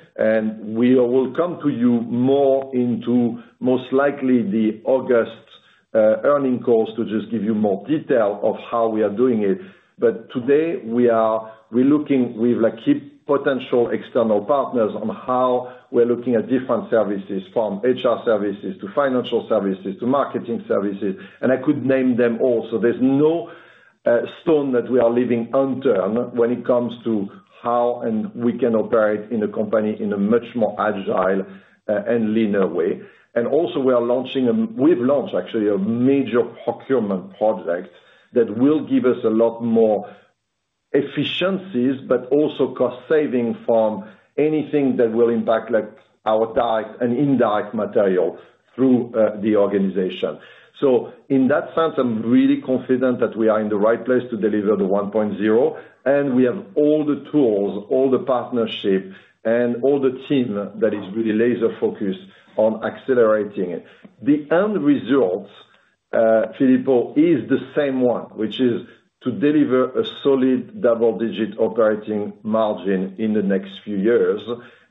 We will come to you more into most likely the August earning calls to just give you more detail of how we are doing it. Today, we are looking with key potential external partners on how we're looking at different services, from HR services to financial services to marketing services, and I could name them all. There is no stone that we are leaving unturned when it comes to how we can operate in a company in a much more agile and leaner way. Also, we've launched, actually, a major procurement project that will give us a lot more efficiencies, but also cost savings from anything that will impact our direct and indirect material through the organization. In that sense, I'm really confident that we are in the right place to deliver the 1.0, and we have all the tools, all the partnership, and all the team that is really laser-focused on accelerating it. The end result, Filippo, is the same one, which is to deliver a solid double-digit operating margin in the next few years,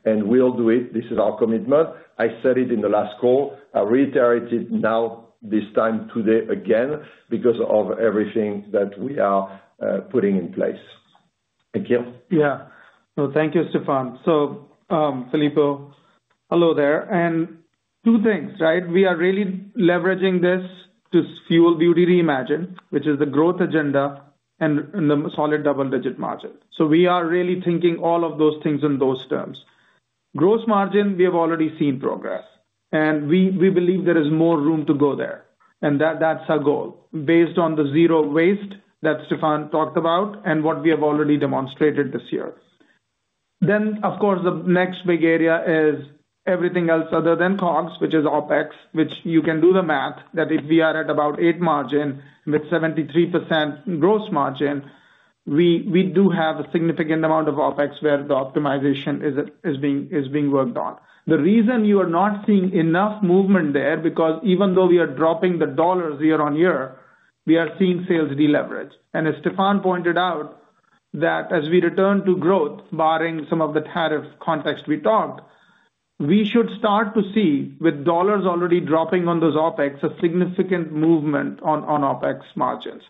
and we'll do it. This is our commitment. I said it in the last call. I reiterate it now, this time today again, because of everything that we are putting in place. Thank you. Thank you, Stefan. Filippo, hello there. Two things, right? We are really leveraging this to fuel Beauty Reimagined, which is the growth agenda and the solid double-digit margin. We are really thinking all of those things in those terms. Gross margin, we have already seen progress, and we believe there is more room to go there. That is our goal based on the zero waste that Stéphane talked about and what we have already demonstrated this year. Of course, the next big area is everything else other than COGS, which is OpEx, which you can do the math that if we are at about 8 margin with 73% gross margin, we do have a significant amount of OpEx where the optimization is being worked on. The reason you are not seeing enough movement there is because even though we are dropping the dollars year on year, we are seeing sales deleverage. As Stéphane pointed out, as we return to growth, barring some of the tariff context we talked, we should start to see with dollars already dropping on those OpEx a significant movement on OpEx margins.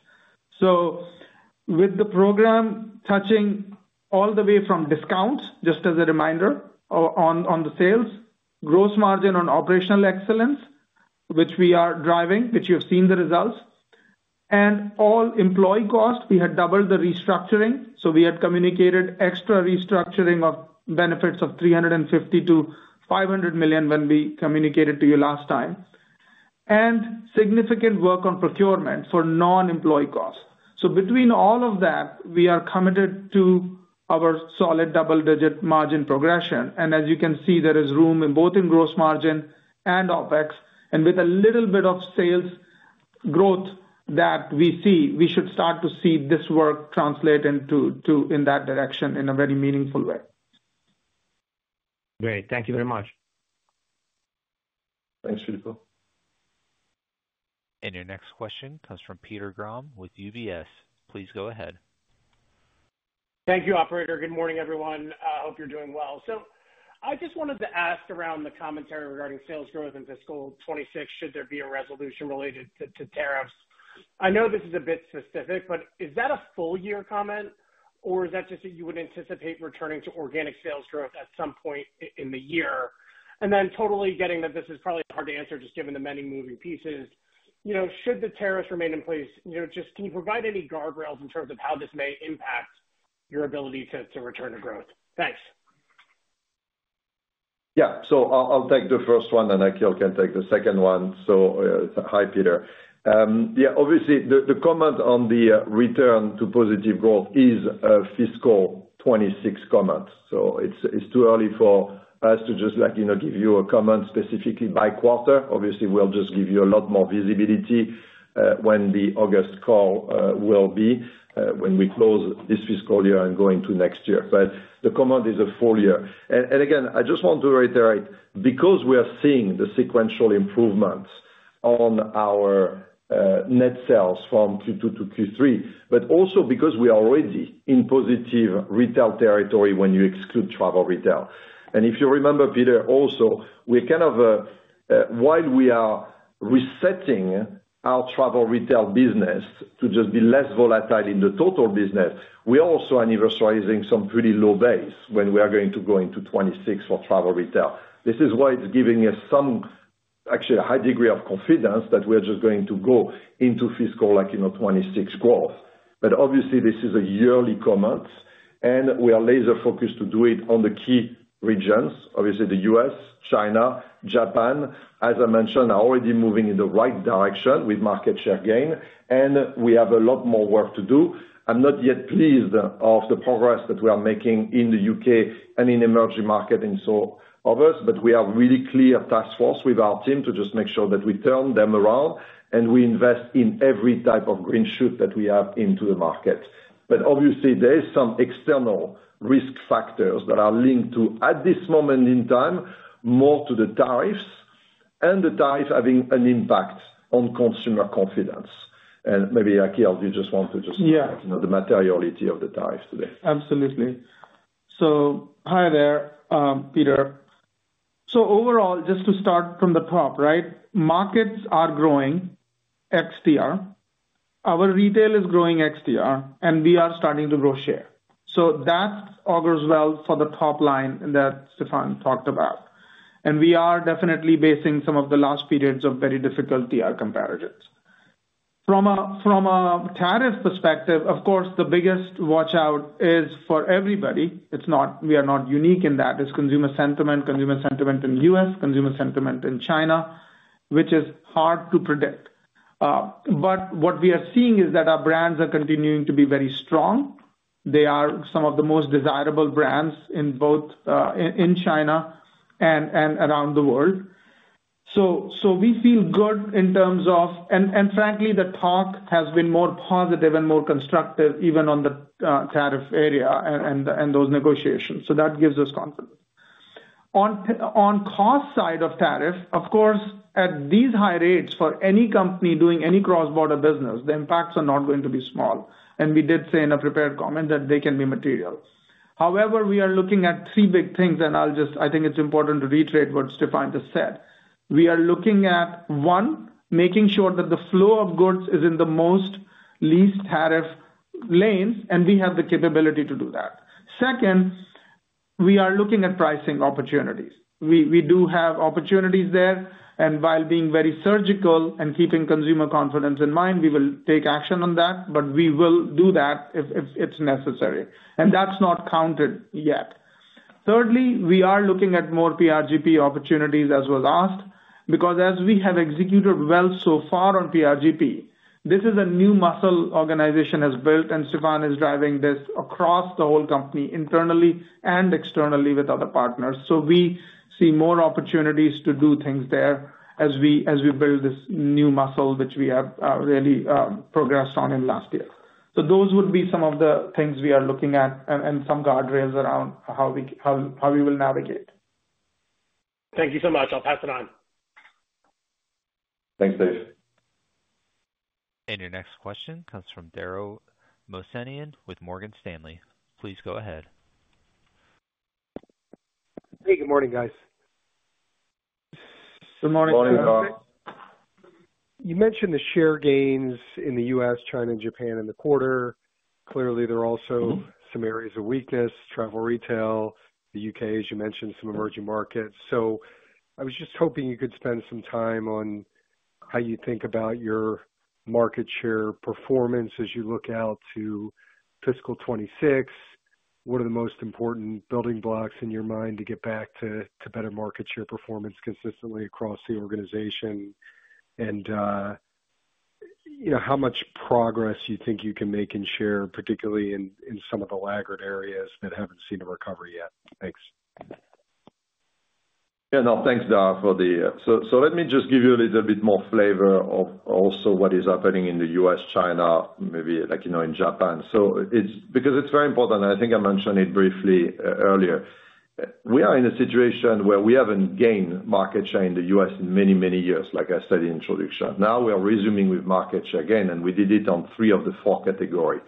With the program touching all the way from discounts, just as a reminder, on the sales, gross margin on operational excellence, which we are driving, which you've seen the results, and all employee costs, we had doubled the restructuring. We had communicated extra restructuring of benefits of $350 million-$500 million when we communicated to you last time, and significant work on procurement for non-employee costs. Between all of that, we are committed to our solid double-digit margin progression. As you can see, there is room both in gross margin and OpEx. With a little bit of sales growth that we see, we should start to see this work translate into that direction in a very meaningful way. Great. Thank you very much. Thanks, Filippo. Your next question comes from Peter Grom with UBS. Please go ahead. Thank you, Operator. Good morning, everyone. I hope you're doing well. I just wanted to ask around the commentary regarding sales growth in fiscal 2026, should there be a resolution related to tariffs? I know this is a bit specific, but is that a full-year comment, or is that just that you would anticipate returning to organic sales growth at some point in the year? Totally getting that this is probably hard to answer just given the many moving pieces. Should the tariffs remain in place, can you provide any guardrails in terms of how this may impact your ability to return to growth? Thanks. I'll take the first one, and Akhil can take the second one. Hi, Peter. Obviously, the comment on the return to positive growth is a fiscal 2026 comment. It is too early for us to just give you a comment specifically by quarter. Obviously, we will just give you a lot more visibility when the August call will be when we close this fiscal year and go into next year. The comment is a full year. Again, I just want to reiterate, because we are seeing the sequential improvements on our net sales from Q2 to Q3, but also because we are already in positive retail territory when you exclude travel retail. If you remember, Peter, also, while we are resetting our travel retail business to just be less volatile in the total business, we are also anniversalizing some pretty low base when we are going to go into 2026 for travel retail. This is why it's giving us some, actually, a high degree of confidence that we are just going to go into fiscal 2026 growth. Obviously, this is a yearly comment, and we are laser-focused to do it on the key regions. Obviously, the U.S., China, Japan, as I mentioned, are already moving in the right direction with market share gain, and we have a lot more work to do. I'm not yet pleased of the progress that we are making in the U.K. and in emerging markets and so others, but we have really clear task force with our team to just make sure that we turn them around and we invest in every type of green shoot that we have into the market. Obviously, there are some external risk factors that are linked to, at this moment in time, more to the tariffs and the tariffs having an impact on consumer confidence. Maybe, Akhil, you just want to look at the materiality of the tariffs today. Absolutely. Hi there, Peter. Overall, just to start from the top, right? Markets are growing XTR. Our retail is growing XTR, and we are starting to grow share. That augurs well for the top line that Stéphane talked about. We are definitely basing some of the last periods of very difficult TR comparatives. From a tariff perspective, of course, the biggest watch-out is for everybody. We are not unique in that. It is consumer sentiment, consumer sentiment in the U.S., consumer sentiment in China, which is hard to predict. What we are seeing is that our brands are continuing to be very strong. They are some of the most desirable brands in China and around the world. We feel good in terms of, and frankly, the talk has been more positive and more constructive even on the tariff area and those negotiations. That gives us confidence. On the cost side of tariff, of course, at these high rates for any company doing any cross-border business, the impacts are not going to be small. We did say in a prepared comment that they can be material. However, we are looking at three big things, and I think it's important to reiterate what Stéphane just said. We are looking at, one, making sure that the flow of goods is in the most least tariff lanes, and we have the capability to do that. Second, we are looking at pricing opportunities. We do have opportunities there. While being very surgical and keeping consumer confidence in mind, we will take action on that, but we will do that if it's necessary. That's not counted yet. Thirdly, we are looking at more PRGP opportunities as was asked because as we have executed well so far on PRGP, this is a new muscle the organization has built, and Stéphane is driving this across the whole company internally and externally with other partners. We see more opportunities to do things there as we build this new muscle, which we have really progressed on in the last year. Those would be some of the things we are looking at and some guardrails around how we will navigate. Thank you so much. I'll pass it on. Thanks, Dave. Your next question comes from Dara Mohsenian with Morgan Stanley. Please go ahead. Hey, good morning, guys. Good morning, Tom. You mentioned the share gains in the U.S., China, and Japan in the quarter. Clearly, there are also some areas of weakness, travel retail, the U.K., as you mentioned, some emerging markets. I was just hoping you could spend some time on how you think about your market share performance as you look out to fiscal 2026. What are the most important building blocks in your mind to get back to better market share performance consistently across the organization and how much progress you think you can make in share, particularly in some of the laggard areas that have not seen a recovery yet? Thanks. Yeah. No, thanks, Darr, for the—let me just give you a little bit more flavor of also what is happening in the U.S., China, maybe in Japan. It is very important, and I think I mentioned it briefly earlier, we are in a situation where we have not gained market share in the U.S. in many, many years, like I said in the introduction. Now we are resuming with market share gain, and we did it on three of the four categories.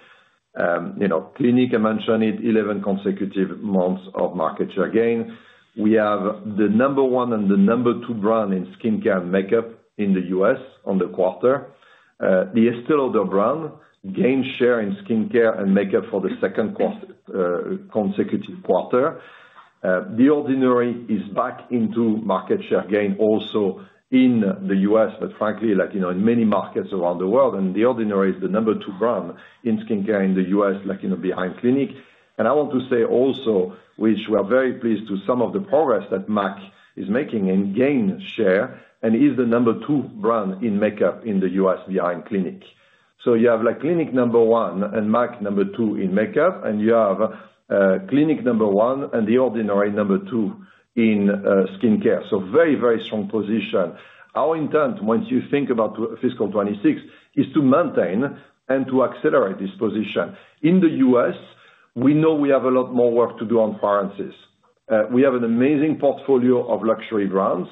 Clinique mentioned it, eleven consecutive months of market share gain. We have the number one and the number two brand in skincare and makeup in the U.S. on the quarter. The Estée Lauder brand gained share in skincare and makeup for the second consecutive quarter. The Ordinary is back into market share gain also in the U.S., but frankly, in many markets around the world. The Ordinary is the number two brand in skincare in the U.S., behind Clinique. I want to say also, we are very pleased with some of the progress that MAC is making in gain share, and is the number two brand in makeup in the U.S. behind Clinique. You have Clinique number one and MAC number two in makeup, and you have Clinique number one and The Ordinary number two in skincare. Very, very strong position. Our intent, once you think about fiscal 2026, is to maintain and to accelerate this position. In the U.S., we know we have a lot more work to do on currencies. We have an amazing portfolio of luxury brands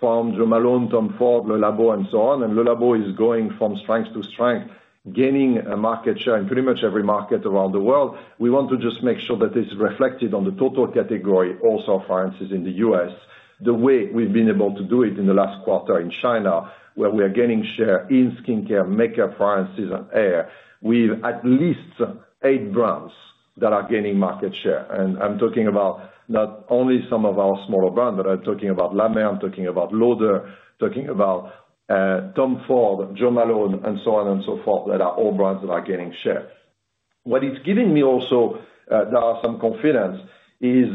from Jo Malone, Tom Ford, Le Labo, and so on. Le Labo is going from strength to strength, gaining market share in pretty much every market around the world. We want to just make sure that it's reflected on the total category also of currencies in the U.S., the way we've been able to do it in the last quarter in China, where we are gaining share in skincare, makeup, currencies, and air. We have at least eight brands that are gaining market share. I'm talking about not only some of our smaller brands, but I'm talking about La Mer, I'm talking about Lauder, talking about Tom Ford, Jo Malone, and so on and so forth that are all brands that are gaining share. What it's giving me also, there are some confidence, is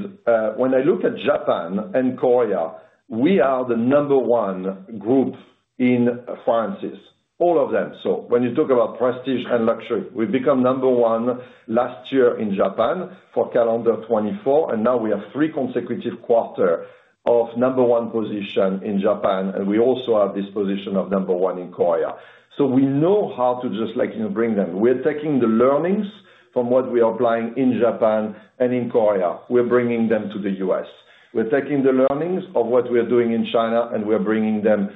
when I look at Japan and Korea, we are the number one group in currencies, all of them. When you talk about prestige and luxury, we became number one last year in Japan for calendar 2024, and now we have three consecutive quarters of number one position in Japan, and we also have this position of number one in Korea. We know how to just bring them. We are taking the learnings from what we are applying in Japan and in Korea. We're bringing them to the U.S. We're taking the learnings of what we are doing in China, and we're bringing them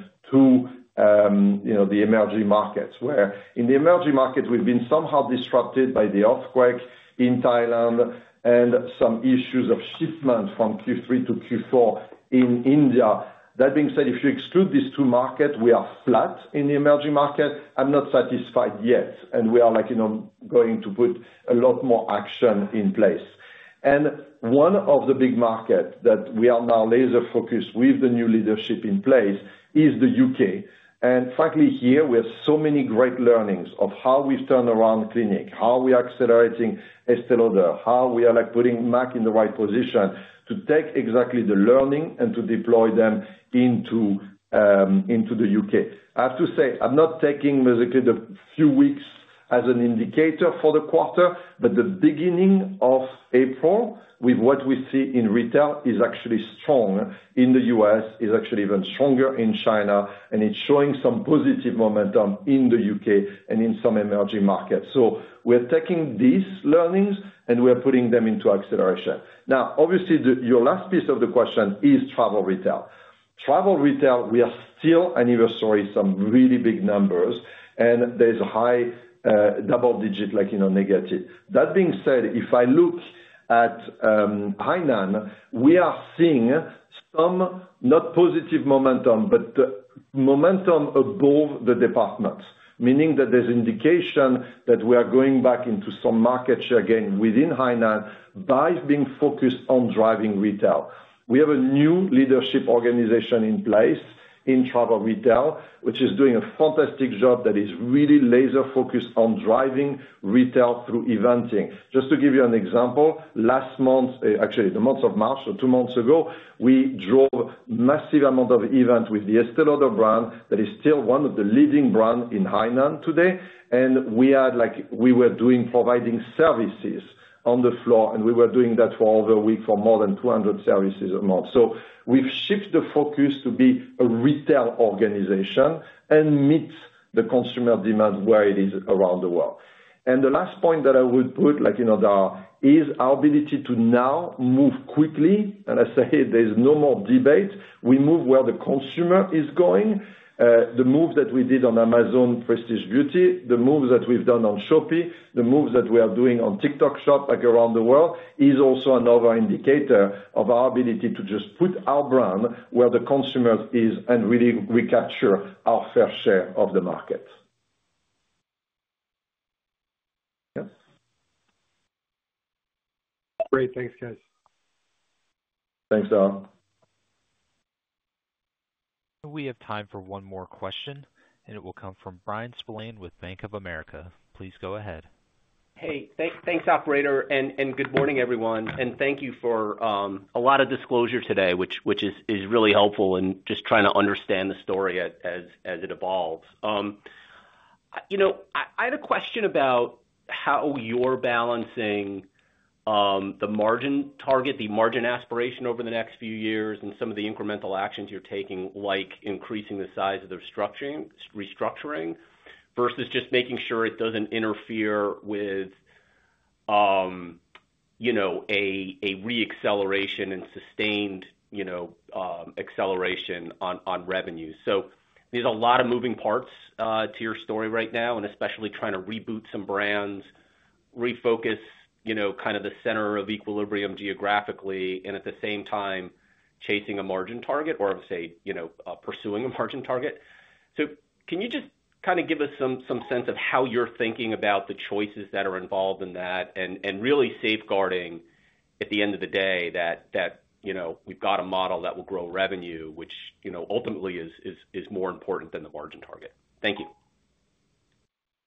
to the emerging markets, where in the emerging markets, we've been somehow disrupted by the earthquake in Thailand and some issues of shipment from Q3 to Q4 in India. That being said, if you exclude these two markets, we are flat in the emerging market. I'm not satisfied yet, and we are going to put a lot more action in place. One of the big markets that we are now laser-focused with the new leadership in place is the U.K. Frankly, here, we have so many great learnings of how we've turned around Clinique, how we are accelerating Estée Lauder, how we are putting MAC in the right position to take exactly the learning and to deploy them into the U.K. I have to say, I'm not taking basically the few weeks as an indicator for the quarter, but the beginning of April with what we see in retail is actually strong in the U.S., is actually even stronger in China, and it's showing some positive momentum in the U.K. and in some emerging markets. We are taking these learnings, and we are putting them into acceleration. Obviously, your last piece of the question is travel retail. Travel retail, we are still anniversaries, some really big numbers, and there's a high double-digit negative. That being said, if I look at Hainan, we are seeing some not positive momentum, but momentum above the departments, meaning that there's indication that we are going back into some market share gain within Hainan by being focused on driving retail. We have a new leadership organization in place in travel retail, which is doing a fantastic job that is really laser-focused on driving retail through eventing. Just to give you an example, last month, actually, the month of March, so two months ago, we drove a massive amount of events with the Estée Lauder brand that is still one of the leading brands in Hainan today. We were doing providing services on the floor, and we were doing that for over a week for more than 200 services a month. We have shifted the focus to be a retail organization and meet the consumer demand where it is around the world. The last point that I would put there is our ability to now move quickly. I say there is no more debate. We move where the consumer is going. The move that we did on Amazon Prestige Beauty, the moves that we have done on Shopee, the moves that we are doing on TikTok Shop around the world is also another indicator of our ability to just put our brand where the consumer is and really recapture our fair share of the market. Yep. Great. Thanks, guys. Thanks, Daryll. We have time for one more question, and it will come from Bryan Spillane with Bank of America. Please go ahead. Hey, thanks, operator. Good morning, everyone. Thank you for a lot of disclosure today, which is really helpful in just trying to understand the story as it evolves. I had a question about how you're balancing the margin target, the margin aspiration over the next few years, and some of the incremental actions you're taking, like increasing the size of the restructuring versus just making sure it doesn't interfere with a re-acceleration and sustained acceleration on revenue. There are a lot of moving parts to your story right now, and especially trying to reboot some brands, refocus kind of the center of equilibrium geographically, and at the same time, chasing a margin target or, I would say, pursuing a margin target. Can you just kind of give us some sense of how you're thinking about the choices that are involved in that and really safeguarding, at the end of the day, that we've got a model that will grow revenue, which ultimately is more important than the margin target? Thank you.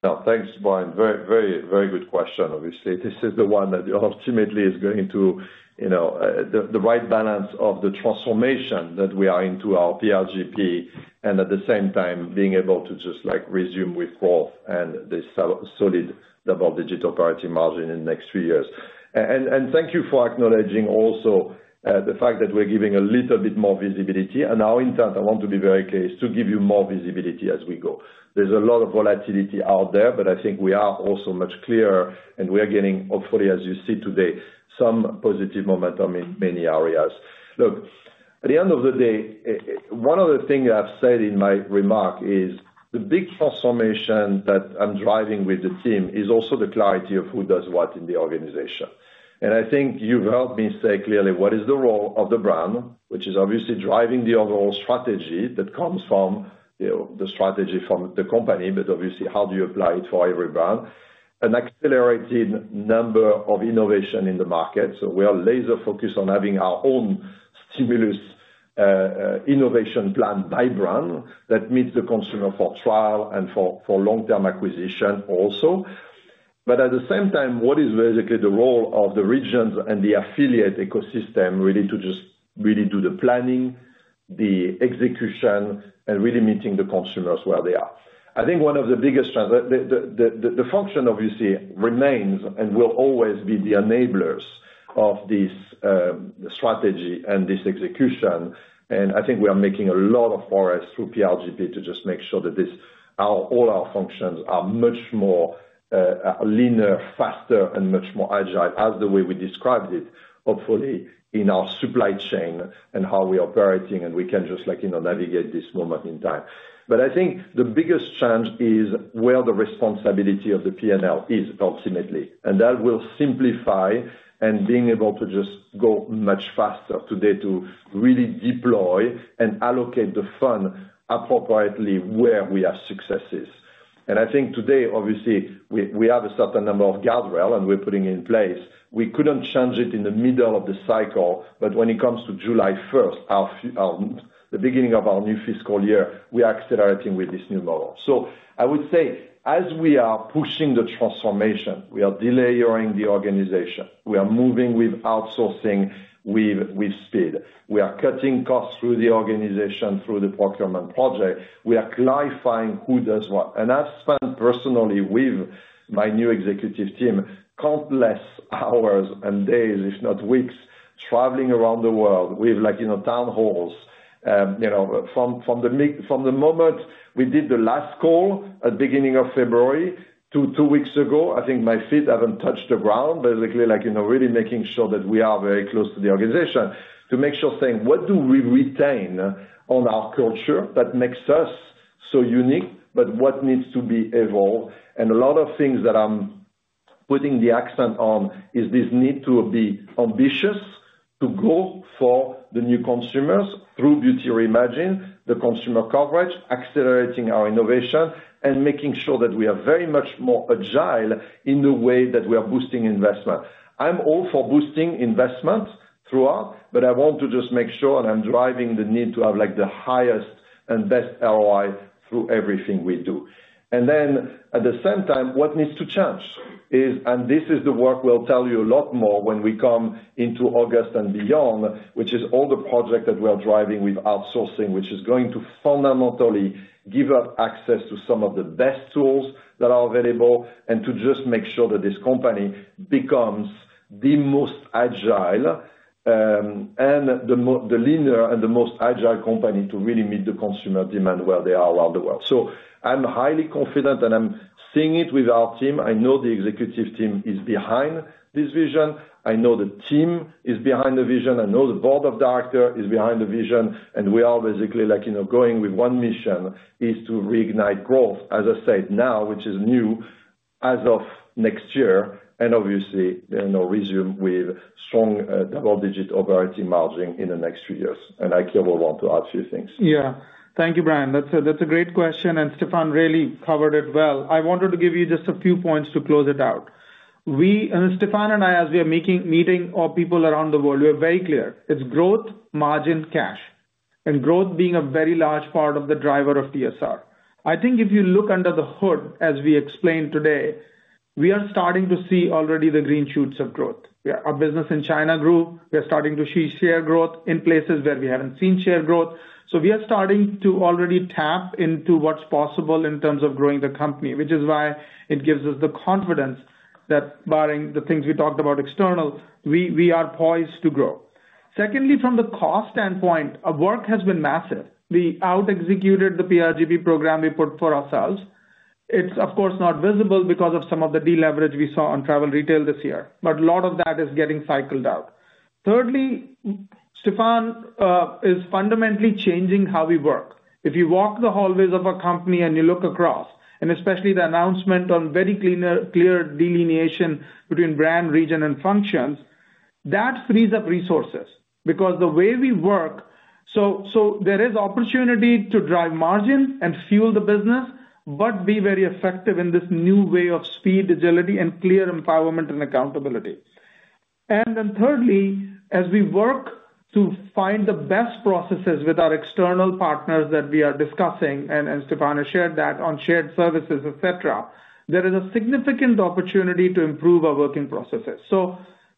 No, thanks, Brian. Very good question, obviously. This is the one that ultimately is going to the right balance of the transformation that we are into our PRGP and at the same time being able to just resume with growth and this solid double-digit operating margin in the next few years. Thank you for acknowledging also the fact that we're giving a little bit more visibility. Our intent, I want to be very clear, is to give you more visibility as we go. There's a lot of volatility out there, but I think we are also much clearer, and we are getting, hopefully, as you see today, some positive momentum in many areas. Look, at the end of the day, one of the things I've said in my remark is the big transformation that I'm driving with the team is also the clarity of who does what in the organization. I think you've heard me say clearly what is the role of the brand, which is obviously driving the overall strategy that comes from the strategy from the company, but obviously, how do you apply it for every brand, an accelerated number of innovation in the market. We are laser-focused on having our own stimulus innovation plan by brand that meets the consumer for trial and for long-term acquisition also. At the same time, what is basically the role of the regions and the affiliate ecosystem really to just really do the planning, the execution, and really meeting the consumers where they are? I think one of the biggest trends, the function, obviously, remains and will always be the enablers of this strategy and this execution. I think we are making a lot of progress through PRGP to just make sure that all our functions are much more leaner, faster, and much more agile as the way we described it, hopefully, in our supply chain and how we are operating, and we can just navigate this moment in time. I think the biggest challenge is where the responsibility of the P&L is ultimately. That will simplify being able to just go much faster today to really deploy and allocate the fund appropriately where we have successes. I think today, obviously, we have a certain number of guardrails and we are putting in place. We could not change it in the middle of the cycle, but when it comes to July 1, the beginning of our new fiscal year, we are accelerating with this new model. I would say, as we are pushing the transformation, we are delayering the organization. We are moving with outsourcing with speed. We are cutting costs through the organization, through the procurement project. We are clarifying who does what. I have spent personally with my new executive team countless hours and days, if not weeks, traveling around the world with town halls. From the moment we did the last call at the beginning of February to two weeks ago, I think my feet haven't touched the ground, basically really making sure that we are very close to the organization to make sure saying, "What do we retain on our culture that makes us so unique, but what needs to be evolved?" A lot of things that I'm putting the accent on is this need to be ambitious to go for the new consumers through Beauty Reimagined, the consumer coverage, accelerating our innovation, and making sure that we are very much more agile in the way that we are boosting investment. I'm all for boosting investment throughout, but I want to just make sure, and I'm driving the need to have the highest and best ROI through everything we do. At the same time, what needs to change is, and this is the work we'll tell you a lot more when we come into August and beyond, which is all the projects that we are driving with outsourcing, which is going to fundamentally give us access to some of the best tools that are available and to just make sure that this company becomes the most agile and the leaner and the most agile company to really meet the consumer demand where they are around the world. I am highly confident, and I am seeing it with our team. I know the executive team is behind this vision. I know the team is behind the vision. I know the board of directors is behind the vision. We are basically going with one mission, which is to reignite growth, as I said now, which is new as of next year, and obviously, resume with strong double-digit operating margin in the next few years. I clearly want to add a few things. Thank you, Bryan. That's a great question. Stéphane really covered it well. I wanted to give you just a few points to close it out. Stéphane and I, as we are meeting all people around the world, we are very clear. It's growth, margin, cash, and growth being a very large part of the driver of TSR. I think if you look under the hood, as we explained today, we are starting to see already the green shoots of growth. Our business in China grew. We are starting to see share growth in places where we haven't seen share growth. We are starting to already tap into what's possible in terms of growing the company, which is why it gives us the confidence that, barring the things we talked about external, we are poised to grow. Secondly, from the cost standpoint, our work has been massive. We out-executed the PRGP program we put for ourselves. It's, of course, not visible because of some of the deleverage we saw on travel retail this year, but a lot of that is getting cycled out. Thirdly, Stéphane is fundamentally changing how we work. If you walk the hallways of a company and you look across, and especially the announcement on very clear delineation between brand, region, and functions, that frees up resources because the way we work, so there is opportunity to drive margin and fuel the business, but be very effective in this new way of speed, agility, and clear empowerment and accountability. Thirdly, as we work to find the best processes with our external partners that we are discussing, and Stéphane has shared that on shared services, etc., there is a significant opportunity to improve our working processes.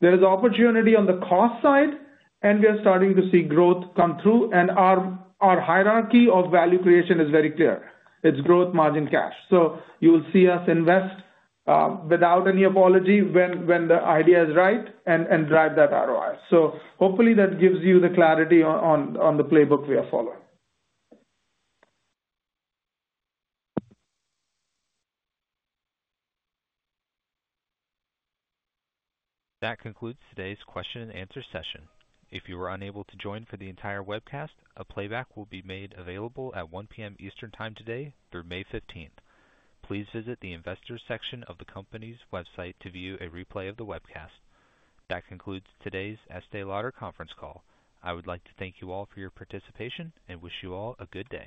There is opportunity on the cost side, and we are starting to see growth come through. Our hierarchy of value creation is very clear. It's growth, margin, cash. You will see us invest, without any apology, when the idea is right and drive that ROI. Hopefully, that gives you the clarity on the playbook we are following. That concludes today's question-and-answer session. If you were unable to join for the entire webcast, a playback will be made available at 1:00 P.M. Eastern Time today through May 15. Please visit the investors' section of the company's website to view a replay of the webcast. That concludes today's Kimco Realty conference call. I would like to thank you all for your participation and wish you all a good day.